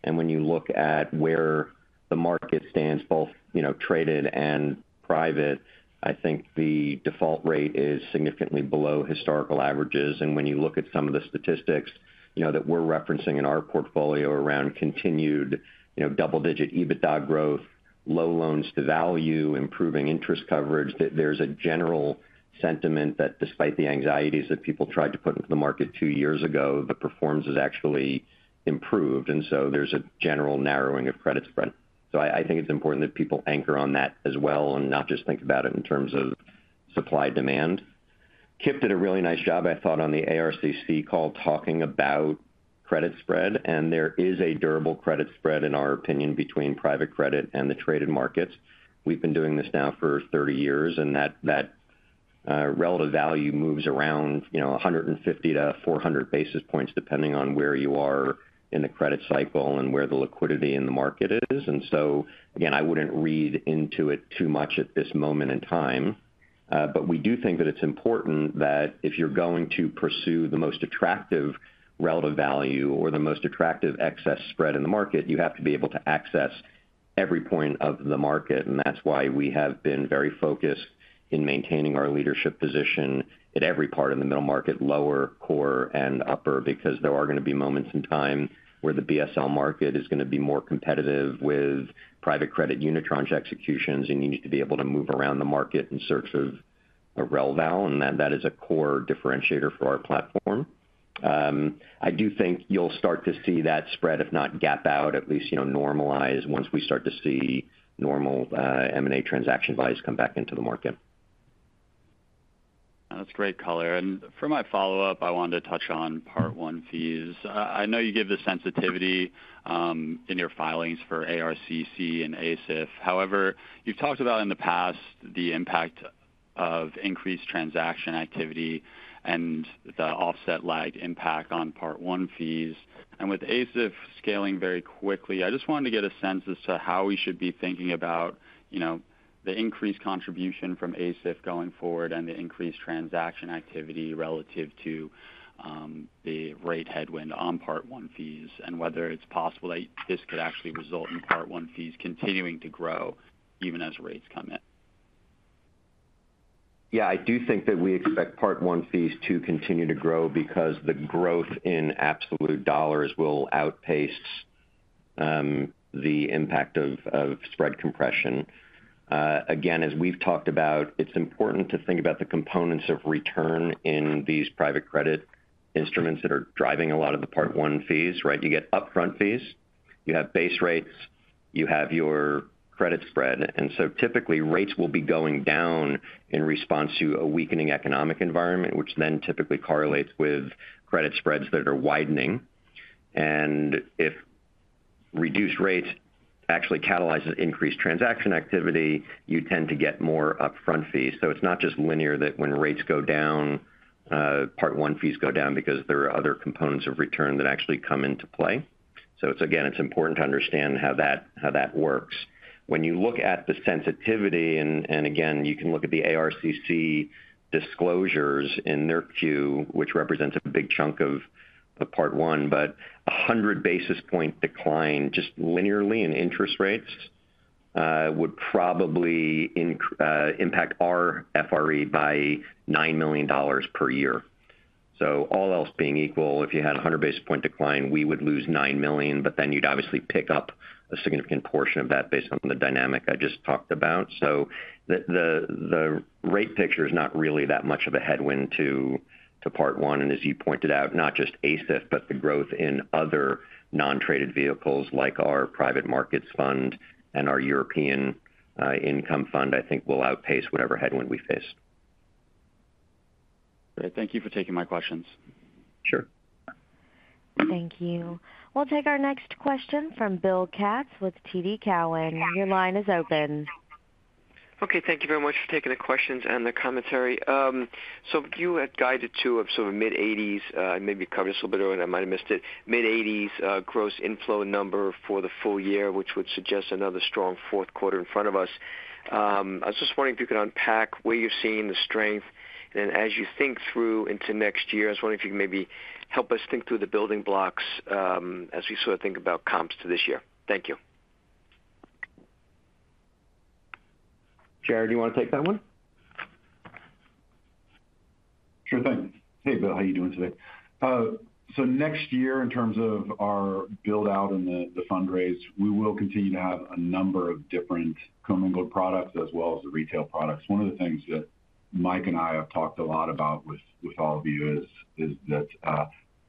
And when you look at where the market stands, both traded and private, I think the default rate is significantly below historical averages. When you look at some of the statistics that we're referencing in our portfolio around continued double-digit EBITDA growth, low loans to value, improving interest coverage, there's a general sentiment that despite the anxieties that people tried to put into the market two years ago, the performance has actually improved. There's a general narrowing of credit spread. I think it's important that people anchor on that as well and not just think about it in terms of supply demand. Kipp did a really nice job, I thought, on the ARCC call talking about credit spread. There is a durable credit spread, in our opinion, between private credit and the traded markets. We've been doing this now for 30 years, and that relative value moves around 150-400 basis points depending on where you are in the credit cycle and where the liquidity in the market is. And so, again, I wouldn't read into it too much at this moment in time. But we do think that it's important that if you're going to pursue the most attractive relative value or the most attractive excess spread in the market, you have to be able to access every point of the market. That's why we have been very focused in maintaining our leadership position at every part in the middle market, lower, core, and upper, because there are going to be moments in time where the BSL market is going to be more competitive with private credit unitranche executions, and you need to be able to move around the market in search of a rel val. And that is a core differentiator for our platform. I do think you'll start to see that spread, if not gap out, at least normalize once we start to see normal M&A transaction values come back into the market. That's great, color. For my follow-up, I wanted to touch on Part I fees. I know you give the sensitivity in your filings for ARCC and ASIF. However, you've talked about in the past the impact of increased transaction activity and the offset lag impact on Part I fees. And with ASIF scaling very quickly, I just wanted to get a sense as to how we should be thinking about the increased contribution from ASIF going forward and the increased transaction activity relative to the rate headwind on Part I fees and whether it's possible that this could actually result in Part I fees continuing to grow even as rates come in? Yeah, I do think that we expect Part I fees to continue to grow because the growth in absolute dollars will outpace the impact of spread compression. Again, as we've talked about, it's important to think about the components of return in these private credit instruments that are driving a lot of the Part I fees, right? You get upfront fees, you have base rates, you have your credit spread. And so typically, rates will be going down in response to a weakening economic environment, which then typically correlates with credit spreads that are widening. And if reduced rates actually catalyze increased transaction activity, you tend to get more upfront fees. So it's not just linear that when rates go down, Part I fees go down because there are other components of return that actually come into play. So again, it's important to understand how that works. When you look at the sensitivity, and again, you can look at the ARCC disclosures in their 10-Q, which represents a big chunk of Part I, but 100 basis points decline just linearly in interest rates would probably impact our FRE by $9 million per year. So all else being equal, if you had 100 basis point decline, we would lose $9 million, but then you'd obviously pick up a significant portion of that based on the dynamic I just talked about. So the rate picture is not really that much of a headwind to Part I. And as you pointed out, not just ASIF, but the growth in other non-traded vehicles like our Private Markets Fund and our European Income Fund, I think will outpace whatever headwind we face. All right. Thank you for taking my questions. Sure. Thank you. We'll take our next question from Bill Katz with TD Cowen. Your line is open. Okay. Thank you very much for taking the questions and the commentary. So you had guided to sort of mid-80s, and maybe you covered this a little bit earlier, and I might have missed it, mid-80s gross inflow number for the full year, which would suggest another strong fourth quarter in front of us. I was just wondering if you could unpack where you're seeing the strength. And then as you think through into next year, I was wondering if you could maybe help us think through the building blocks as we sort of think about comps to this year. Thank you. Jarrod, do you want to take that one? Sure thing. Hey, Bill. How are you doing today? So next year, in terms of our build-out and the fundraise, we will continue to have a number of different commingled products as well as the retail products. One of the things that Mike and I have talked a lot about with all of you is that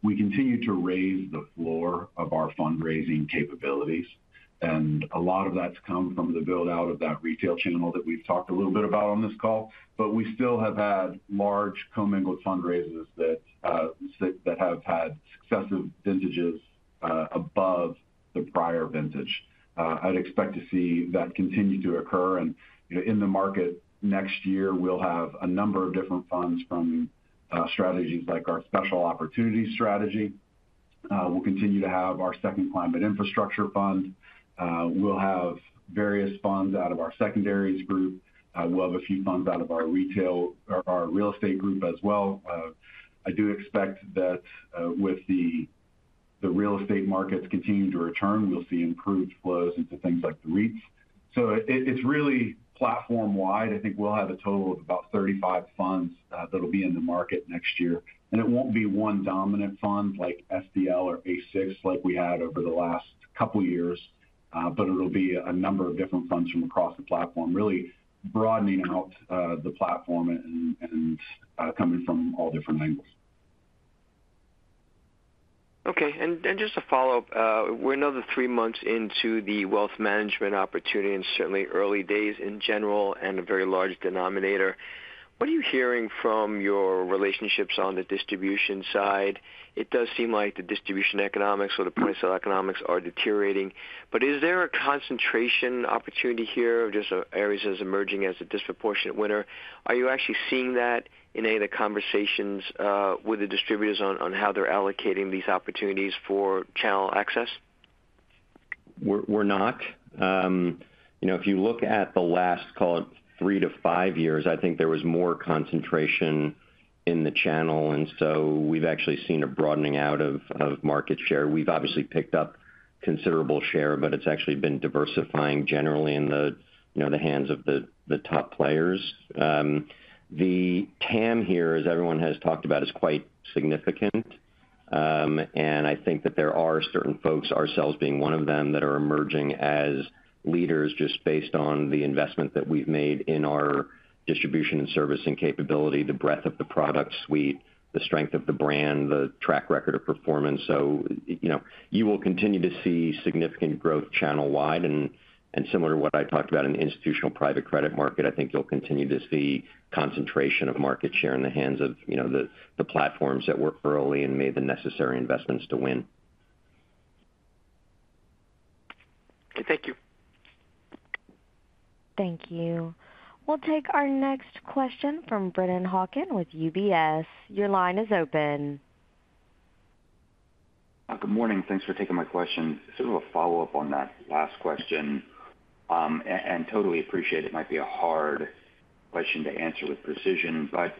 we continue to raise the floor of our fundraising capabilities, and a lot of that's come from the build-out of that retail channel that we've talked a little bit about on this call, but we still have had large commingled fundraisers that have had successive vintages above the prior vintage. I'd expect to see that continue to occur, and in the market next year, we'll have a number of different funds from strategies like our special opportunity strategy. We'll continue to have our second climate infrastructure fund. We'll have various funds out of our secondaries group. We'll have a few funds out of our retail or our real estate group as well. I do expect that with the real estate markets continuing to return, we'll see improved flows into things like the REITs. So it's really platform-wide. I think we'll have a total of about 35 funds that'll be in the market next year. And it won't be one dominant fund like SDL or ASIFs like we had over the last couple of years, but it'll be a number of different funds from across the platform, really broadening out the platform and coming from all different angles. Okay. And just to follow up, we're another three months into the wealth management opportunity and certainly early days in general and a very large denominator. What are you hearing from your relationships on the distribution side? It does seem like the distribution economics or the place of economics are deteriorating. But is there a concentration opportunity here of just Ares as emerging as a disproportionate winner? Are you actually seeing that in any of the conversations with the distributors on how they're allocating these opportunities for channel access? We're not. If you look at the last, call it three to five years, I think there was more concentration in the channel. And so we've actually seen a broadening out of market share. We've obviously picked up considerable share, but it's actually been diversifying generally in the hands of the top players. The TAM here, as everyone has talked about, is quite significant. And I think that there are certain folks, ourselves being one of them, that are emerging as leaders just based on the investment that we've made in our distribution and servicing capability, the breadth of the product suite, the strength of the brand, the track record of performance. You will continue to see significant growth channel-wide. And similar to what I talked about in the institutional private credit market, I think you'll continue to see concentration of market share in the hands of the platforms that were early and made the necessary investments to win. Okay. Thank you. Thank you. We'll take our next question from Brennan Hawken with UBS. Your line is open. Good morning. Thanks for taking my question. Sort of a follow-up on that last question. And totally appreciate it. It might be a hard question to answer with precision. But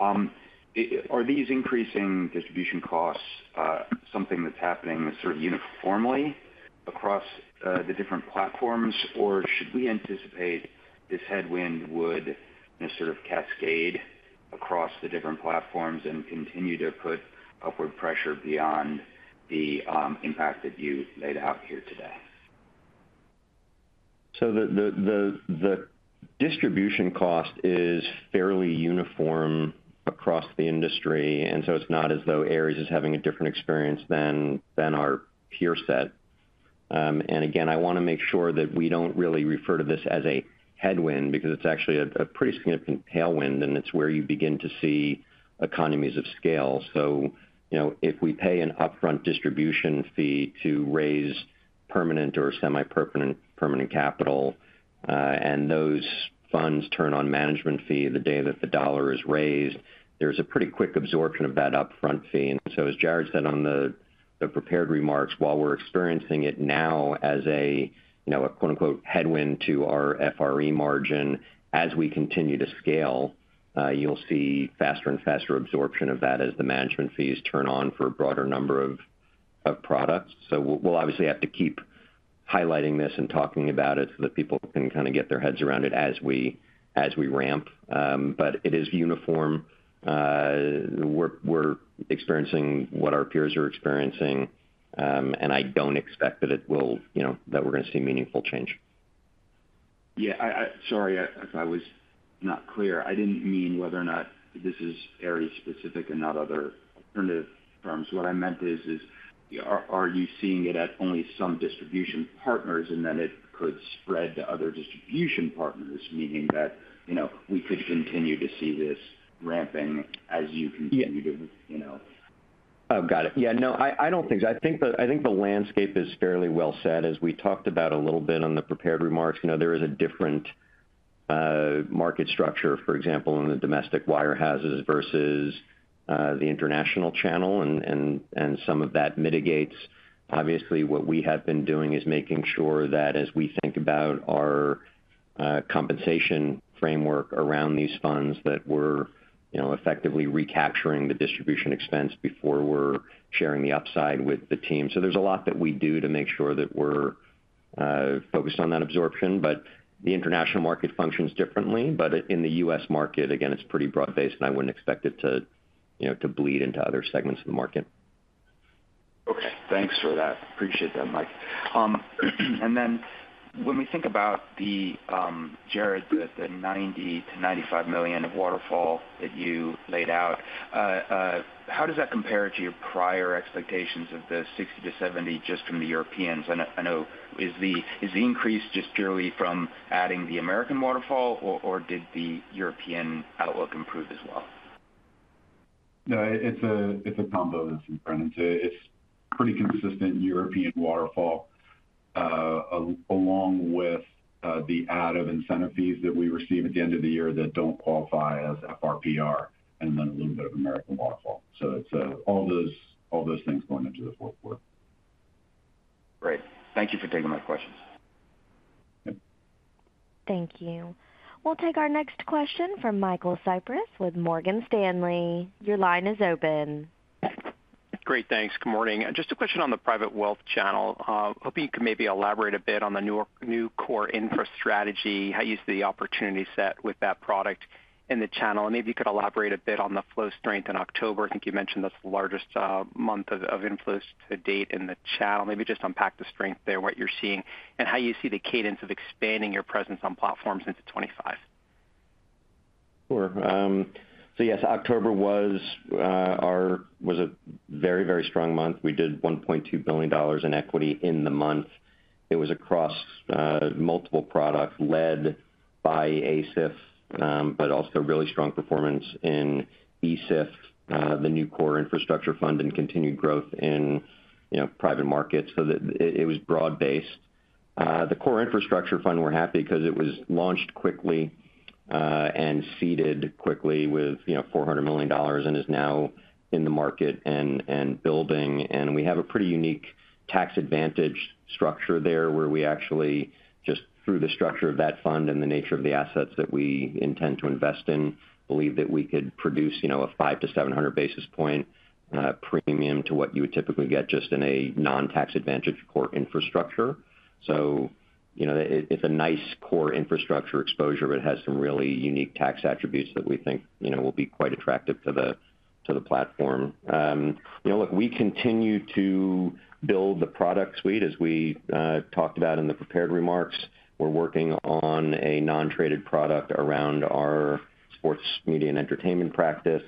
are these increasing distribution costs something that's happening sort of uniformly across the different platforms, or should we anticipate this headwind would sort of cascade across the different platforms and continue to put upward pressure beyond the impact that you laid out here today? So the distribution cost is fairly uniform across the industry. And so it's not as though Ares is having a different experience than our peer set. And again, I want to make sure that we don't really refer to this as a headwind because it's actually a pretty significant tailwind, and it's where you begin to see economies of scale. So if we pay an upfront distribution fee to raise permanent or semi-permanent capital, and those funds turn on management fee the day that the dollar is raised, there's a pretty quick absorption of that upfront fee. And so as Jarrod said on the prepared remarks, while we're experiencing it now as a "headwind" to our FRE margin, as we continue to scale, you'll see faster and faster absorption of that as the management fees turn on for a broader number of products. So we'll obviously have to keep highlighting this and talking about it so that people can kind of get their heads around it as we ramp. But it is uniform. We're experiencing what our peers are experiencing. And I don't expect that it will, that we're going to see meaningful change. Yeah. Sorry if I was not clear. I didn't mean whether or not this is Ares-specific and not other alternative firms. What I meant is, are you seeing it at only some distribution partners, and then it could spread to other distribution partners, meaning that we could continue to see this ramping as you continue to? Oh, got it. Yeah. No, I don't think so. I think the landscape is fairly well set. As we talked about a little bit on the prepared remarks, there is a different market structure, for example, in the domestic wirehouses versus the international channel. And some of that mitigates. Obviously, what we have been doing is making sure that as we think about our compensation framework around these funds, that we're effectively recapturing the distribution expense before we're sharing the upside with the team. So there's a lot that we do to make sure that we're focused on that absorption. But the international market functions differently. But in the U.S. market, again, it's pretty broad-based, and I wouldn't expect it to bleed into other segments of the market. Okay. Thanks for that. Appreciate that, Mike. And then when we think about, Jarrod, the $90-$95 million waterfall that you laid out, how does that compare to your prior expectations of the $60-$70 million just from the Europeans? I know. Is the increase just purely from adding the American waterfall, or did the European outlook improve as well? No, it's a combo that's in front. It's pretty consistent European waterfall along with the add of incentive fees that we receive at the end of the year that don't qualify as FRPR and then a little bit of American waterfall. So it's all those things going into the fourth quarter. Great. Thank you for taking my questions. Thank you. We'll take our next question from Michael Cyprys with Morgan Stanley. Your line is open. Great. Thanks. Good morning. Just a question on the private wealth channel. Hoping you could maybe elaborate a bit on the new core infrastructure strategy, how you see the opportunity set with that product in the channel. And maybe you could elaborate a bit on the inflow strength in October. I think you mentioned that's the largest month of inflows to date in the channel. Maybe just unpack the strength there, what you're seeing, and how you see the cadence of expanding your presence on platforms into 2025. Sure. So yes, October was a very, very strong month. We did $1.2 billion in equity in the month. It was across multiple products led by ASIF, but also really strong performance in ESIF, the new core infrastructure fund, and continued growth in private markets. So it was broad-based. The core infrastructure fund, we're happy because it was launched quickly and seeded quickly with $400 million and is now in the market and building. We have a pretty unique tax-advantaged structure there where we actually just, through the structure of that fund and the nature of the assets that we intend to invest in, believe that we could produce a 5-700 basis point premium to what you would typically get just in a non-tax-advantaged core infrastructure. So it's a nice core infrastructure exposure, but it has some really unique tax attributes that we think will be quite attractive to the platform. Look, we continue to build the product suite, as we talked about in the prepared remarks. We're working on a non-traded product around our sports media and entertainment practice.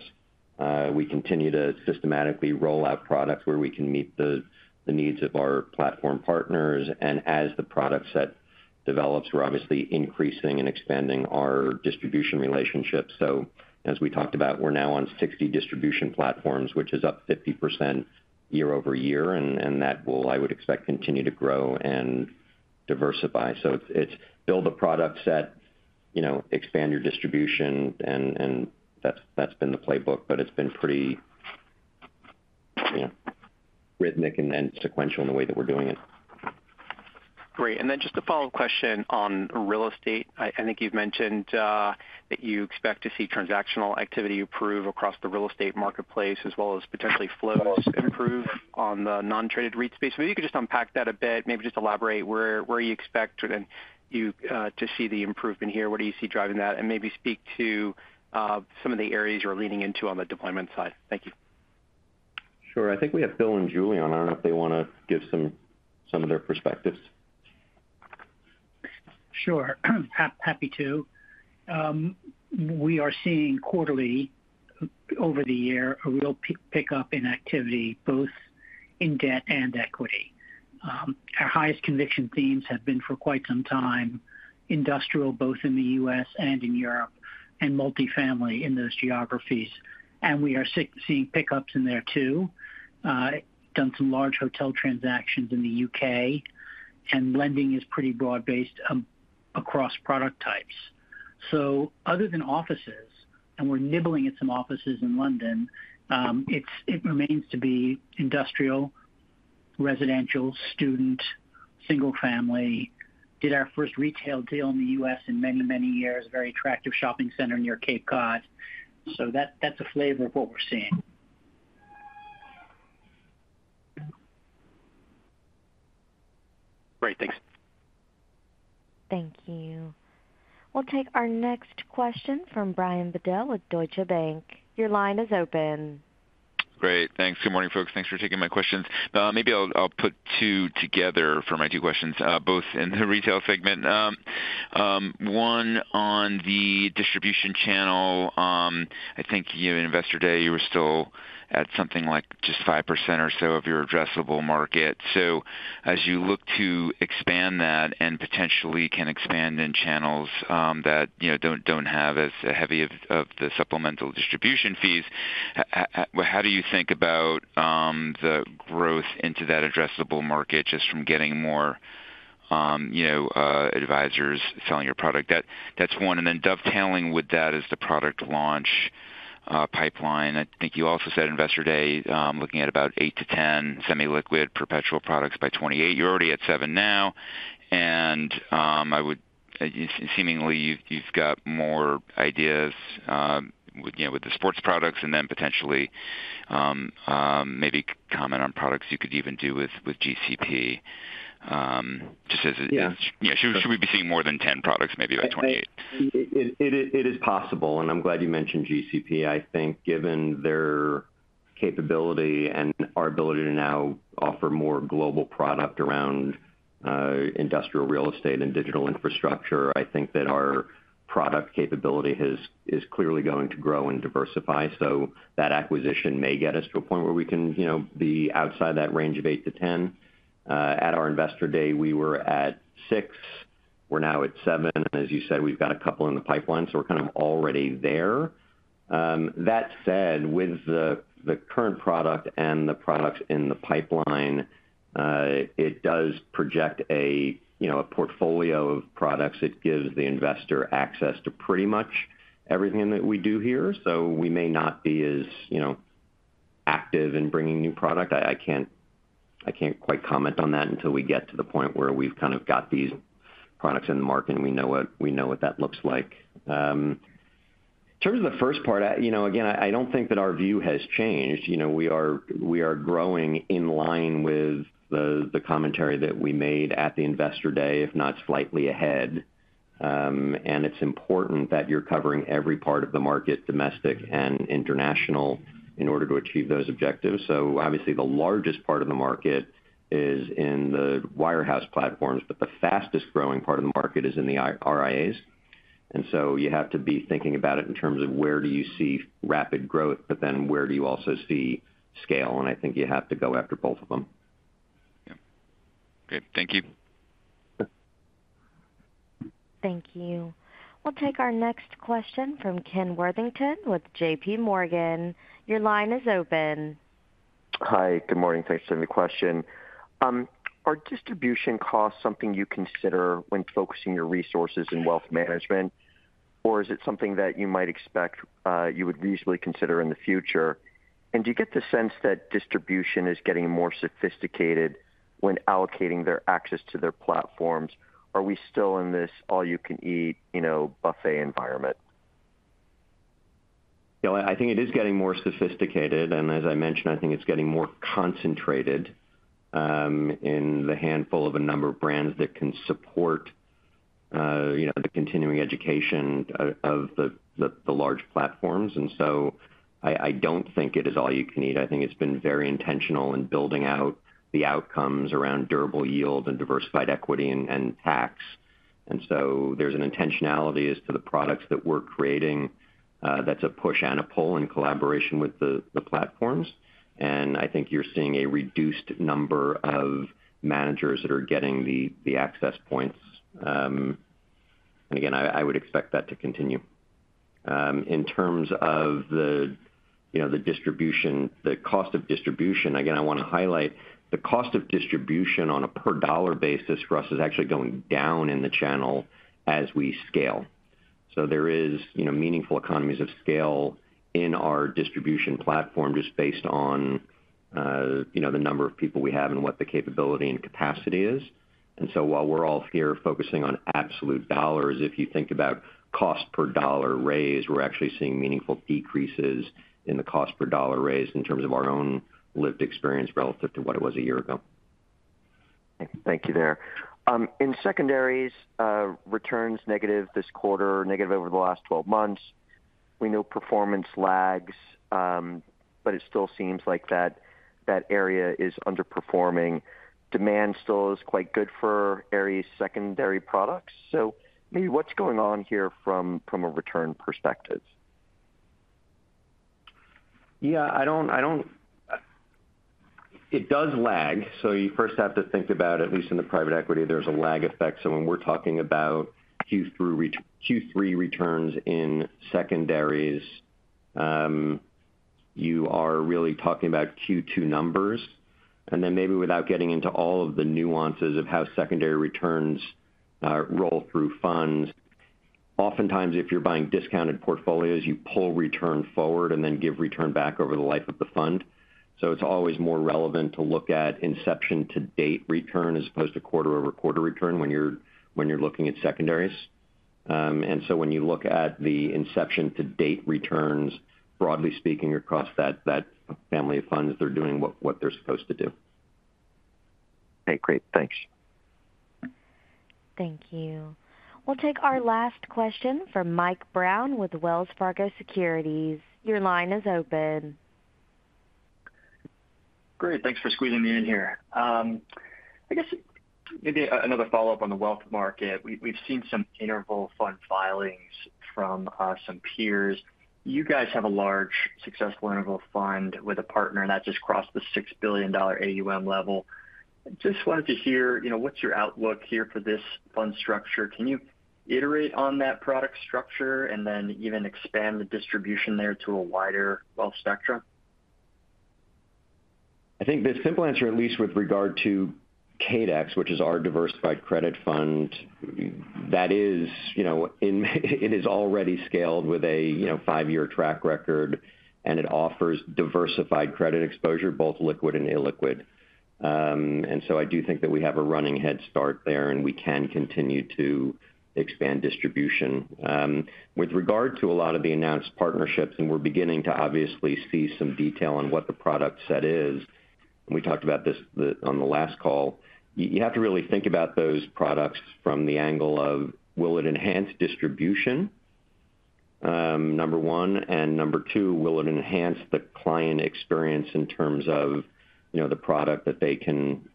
We continue to systematically roll out products where we can meet the needs of our platform partners. As the product set develops, we're obviously increasing and expanding our distribution relationship. So as we talked about, we're now on 60 distribution platforms, which is up 50% year over year. And that will, I would expect, continue to grow and diversify. So it's build a product set, expand your distribution, and that's been the playbook. But it's been pretty rhythmic and sequential in the way that we're doing it. Great. And then just a follow-up question on real estate. I think you've mentioned that you expect to see transactional activity improve across the real estate marketplace as well as potentially flows improve on the non-traded REIT space. Maybe you could just unpack that a bit, maybe just elaborate where you expect to see the improvement here. What do you see driving that? And maybe speak to some of the areas you're leaning into on the deployment side. Thank you. Sure. I think we have Bill and Julie on. I don't know if they want to give some of their perspectives. Sure. Happy to. We are seeing quarterly over the year a real pickup in activity, both in debt and equity. Our highest conviction themes have been for quite some time industrial, both in the U.S. and in Europe, and multifamily in those geographies. And we are seeing pickups in there too. Done some large hotel transactions in the U.K. And lending is pretty broad-based across product types. So other than offices, and we're nibbling at some offices in London, it remains to be industrial, residential, student, single-family. Did our first retail deal in the U.S. in many, many years. Very attractive shopping center near Cape Cod. So that's a flavor of what we're seeing. Great. Thanks. Thank you. We'll take our next question from Brian Bedell with Deutsche Bank. Your line is open. Great.Thanks. Good morning, folks. Thanks for taking my questions. Maybe I'll put two together for my two questions, both in the retail segment. One on the distribution channel. I think you at Investor Day, you were still at something like just 5% or so of your addressable market. So as you look to expand that and potentially can expand in channels that don't have as heavy of the supplemental distribution fees, how do you think about the growth into that addressable market just from getting more advisors selling your product? That's one. And then dovetailing with that is the product launch pipeline. I think you also said at Investor Day, looking at about 8-10 semi-liquid perpetual products by 2028. You're already at 7 now. And seemingly you've got more ideas with the sports products and then potentially maybe comment on products you could even do with GCP. Just as a, should we be seeing more than 10 products maybe by 2028? It is possible. And I'm glad you mentioned GCP. I think given their capability and our ability to now offer more global product around industrial real estate and digital infrastructure, I think that our product capability is clearly going to grow and diversify. So that acquisition may get us to a point where we can be outside that range of 8-10. At our Investor Day, we were at six. We're now at seven. And as you said, we've got a couple in the pipeline. So we're kind of already there. That said, with the current product and the products in the pipeline, it does project a portfolio of products that gives the investor access to pretty much everything that we do here. So we may not be as active in bringing new product. I can't quite comment on that until we get to the point where we've kind of got these products in the market and we know what that looks like. In terms of the first part, again, I don't think that our view has changed. We are growing in line with the commentary that we made at the Investor Day, if not slightly ahead. And it's important that you're covering every part of the market, domestic and international, in order to achieve those objectives. So obviously, the largest part of the market is in the wirehouse platforms, but the fastest growing part of the market is in the RIAs. And so you have to be thinking about it in terms of where do you see rapid growth, but then where do you also see scale? And I think you have to go after both of them. Yeah. Great. Thank you. Thank you. We'll take our next question from Ken Worthington with J.P. Morgan. Your line is open. Hi. Good morning. Thanks for the question. Are distribution costs something you consider when focusing your resources in wealth management, or is it something that you might expect you would reasonably consider in the future? And do you get the sense that distribution is getting more sophisticated when allocating their access to their platforms? Are we still in this all-you-can-eat buffet environment? I think it is getting more sophisticated. And as I mentioned, I think it's getting more concentrated in the handful of a number of brands that can support the continuing education of the large platforms. And so I don't think it is all-you-can-eat. I think it's been very intentional in building out the outcomes around durable yield and diversified equity and tax. And so there's an intentionality as to the products that we're creating, that's a push and a pull in collaboration with the platforms. And I think you're seeing a reduced number of managers that are getting the access points. And again, I would expect that to continue. In terms of the distribution, the cost of distribution, again, I want to highlight the cost of distribution on a per-dollar basis for us is actually going down in the channel as we scale. So there are meaningful economies of scale in our distribution platform just based on the number of people we have and what the capability and capacity is. And so while we're all here focusing on absolute dollars, if you think about cost per dollar raise, we're actually seeing meaningful decreases in the cost per dollar raise in terms of our own lived experience relative to what it was a year ago. Thank you there. In secondaries, returns negative this quarter, negative over the last 12 months. We know performance lags, but it still seems like that area is underperforming. Demand still is quite good for Ares secondary products. So maybe what's going on here from a return perspective? Yeah. It does lag. So you first have to think about, at least in the private equity, there's a lag effect. So when we're talking about Q3 returns in secondaries, you are really talking about Q2 numbers. And then maybe without getting into all of the nuances of how secondary returns roll through funds, oftentimes if you're buying discounted portfolios, you pull return forward and then give return back over the life of the fund. So it's always more relevant to look at inception-to-date return as opposed to quarter-over-quarter return when you're looking at secondaries. And so when you look at the inception-to-date returns, broadly speaking, across that family of funds, they're doing what they're supposed to do. Okay. Great. Thanks. Thank you. We'll take our last question from Mike Brown with Wells Fargo Securities. Your line is open. Great. Thanks for squeezing me in here. I guess maybe another follow-up on the wealth market. We've seen some interval fund filings from some peers. You guys have a large successful interval fund with a partner that just crossed the $6 billion AUM level. Just wanted to hear what's your outlook here for this fund structure? Can you iterate on that product structure and then even expand the distribution there to a wider wealth spectrum? I think the simple answer, at least with regard to CADEX, which is our diversified credit fund, that is, it is already scaled with a five-year track record, and it offers diversified credit exposure, both liquid and illiquid. And so I do think that we have a running head start there, and we can continue to expand distribution. With regard to a lot of the announced partnerships, and we're beginning to obviously see some detail on what the product set is. And we talked about this on the last call. You have to really think about those products from the angle of, will it enhance distribution, number one? Number two, will it enhance the client experience in terms of the product that they can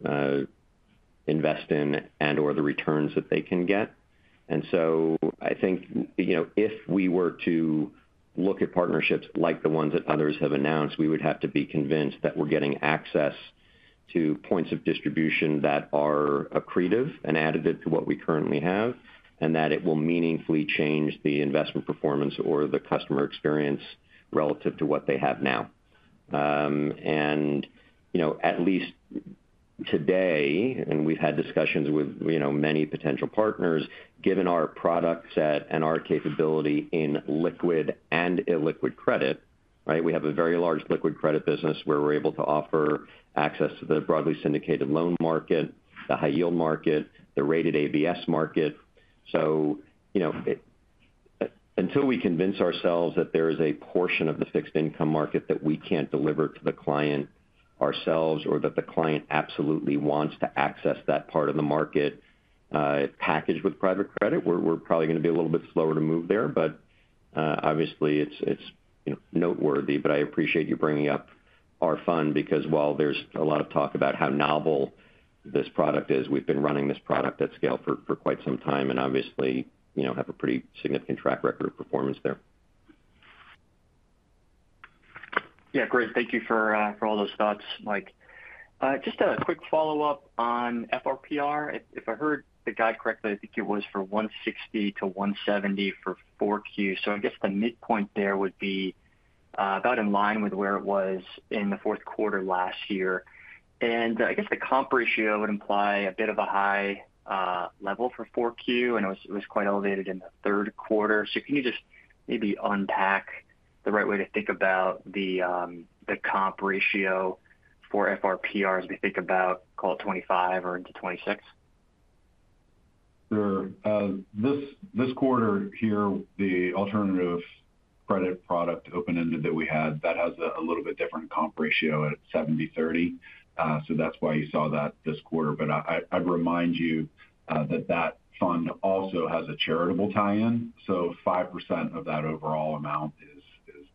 invest in and/or the returns that they can get? And so I think if we were to look at partnerships like the ones that others have announced, we would have to be convinced that we're getting access to points of distribution that are accretive and additive to what we currently have, and that it will meaningfully change the investment performance or the customer experience relative to what they have now. And at least today, and we've had discussions with many potential partners, given our product set and our capability in liquid and illiquid credit, right? We have a very large liquid credit business where we're able to offer access to the broadly syndicated loan market, the high-yield market, the rated ABS market. So until we convince ourselves that there is a portion of the fixed-income market that we can't deliver to the client ourselves or that the client absolutely wants to access that part of the market packaged with private credit, we're probably going to be a little bit slower to move there. But obviously, it's noteworthy. But I appreciate you bringing up our fund because while there's a lot of talk about how novel this product is, we've been running this product at scale for quite some time and obviously have a pretty significant track record of performance there. Yeah. Great. Thank you for all those thoughts, Mike. Just a quick follow-up on FRPR. If I heard the guy correctly, I think it was 160-170 for 4Q. So I guess the midpoint there would be about in line with where it was in the fourth quarter last year. And I guess the comp ratio would imply a bit ofa high level for 4Q, and it was quite elevated in the third quarter. So can you just maybe unpack the right way to think about the comp ratio for FRPR as we think about, call it 25 or into 26? Sure. This quarter here, the alternative credit product open-ended that we had, that has a little bit different comp ratio at 70/30. So that's why you saw that this quarter. But I'd remind you that that fund also has a charitable tie-in. So 5% of that overall amount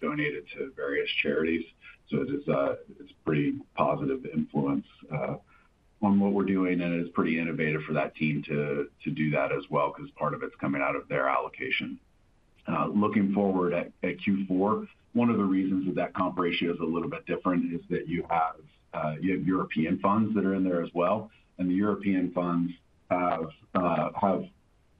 is donated to various charities. So it's a pretty positive influence on what we're doing. And it is pretty innovative for that team to do that as well because part of it's coming out of their allocation. Looking forward at Q4, one of the reasons that that comp ratio is a little bit different is that you have European funds that are in there as well. And the European funds have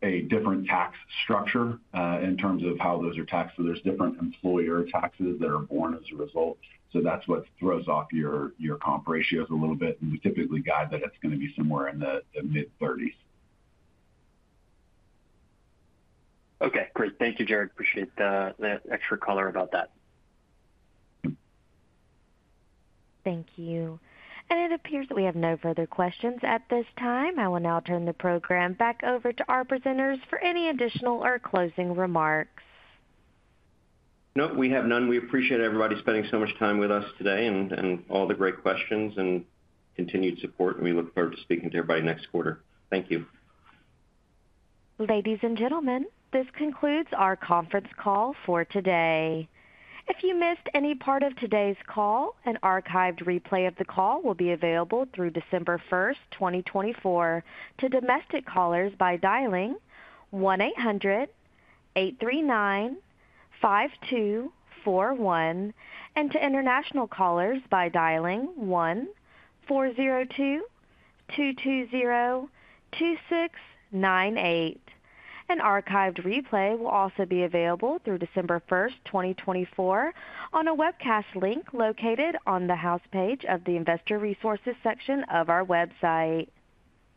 a different tax structure in terms of how those are taxed. So there's different employer taxes that are borne as a result. So that's what throws off your comp ratios a little bit. And we typically guide that it's going to be somewhere in the mid-30s. Okay. Great. Thank you, Jarrod. Appreciate the extra color about that. Thank you. And it appears that we have no further questions at this time. I will now turn the program back over to our presenters for any additional or closing remarks. No, we have none. We appreciate everybody spending so much time with us today and all the great questions and continued support. And we look forward to speaking to everybody next quarter. Thank you. Ladies and gentlemen, this concludes our conference call for today. If you missed any part of today's call, an archived replay of the call will be available through December 1st, 2024, to domestic callers by dialing 1-800-839-5241 and to international callers by dialing 1-402-220-2698. An archived replay will also be available through December 1st, 2024, on a webcast link located on the homepage of the Investor Resources section of our website.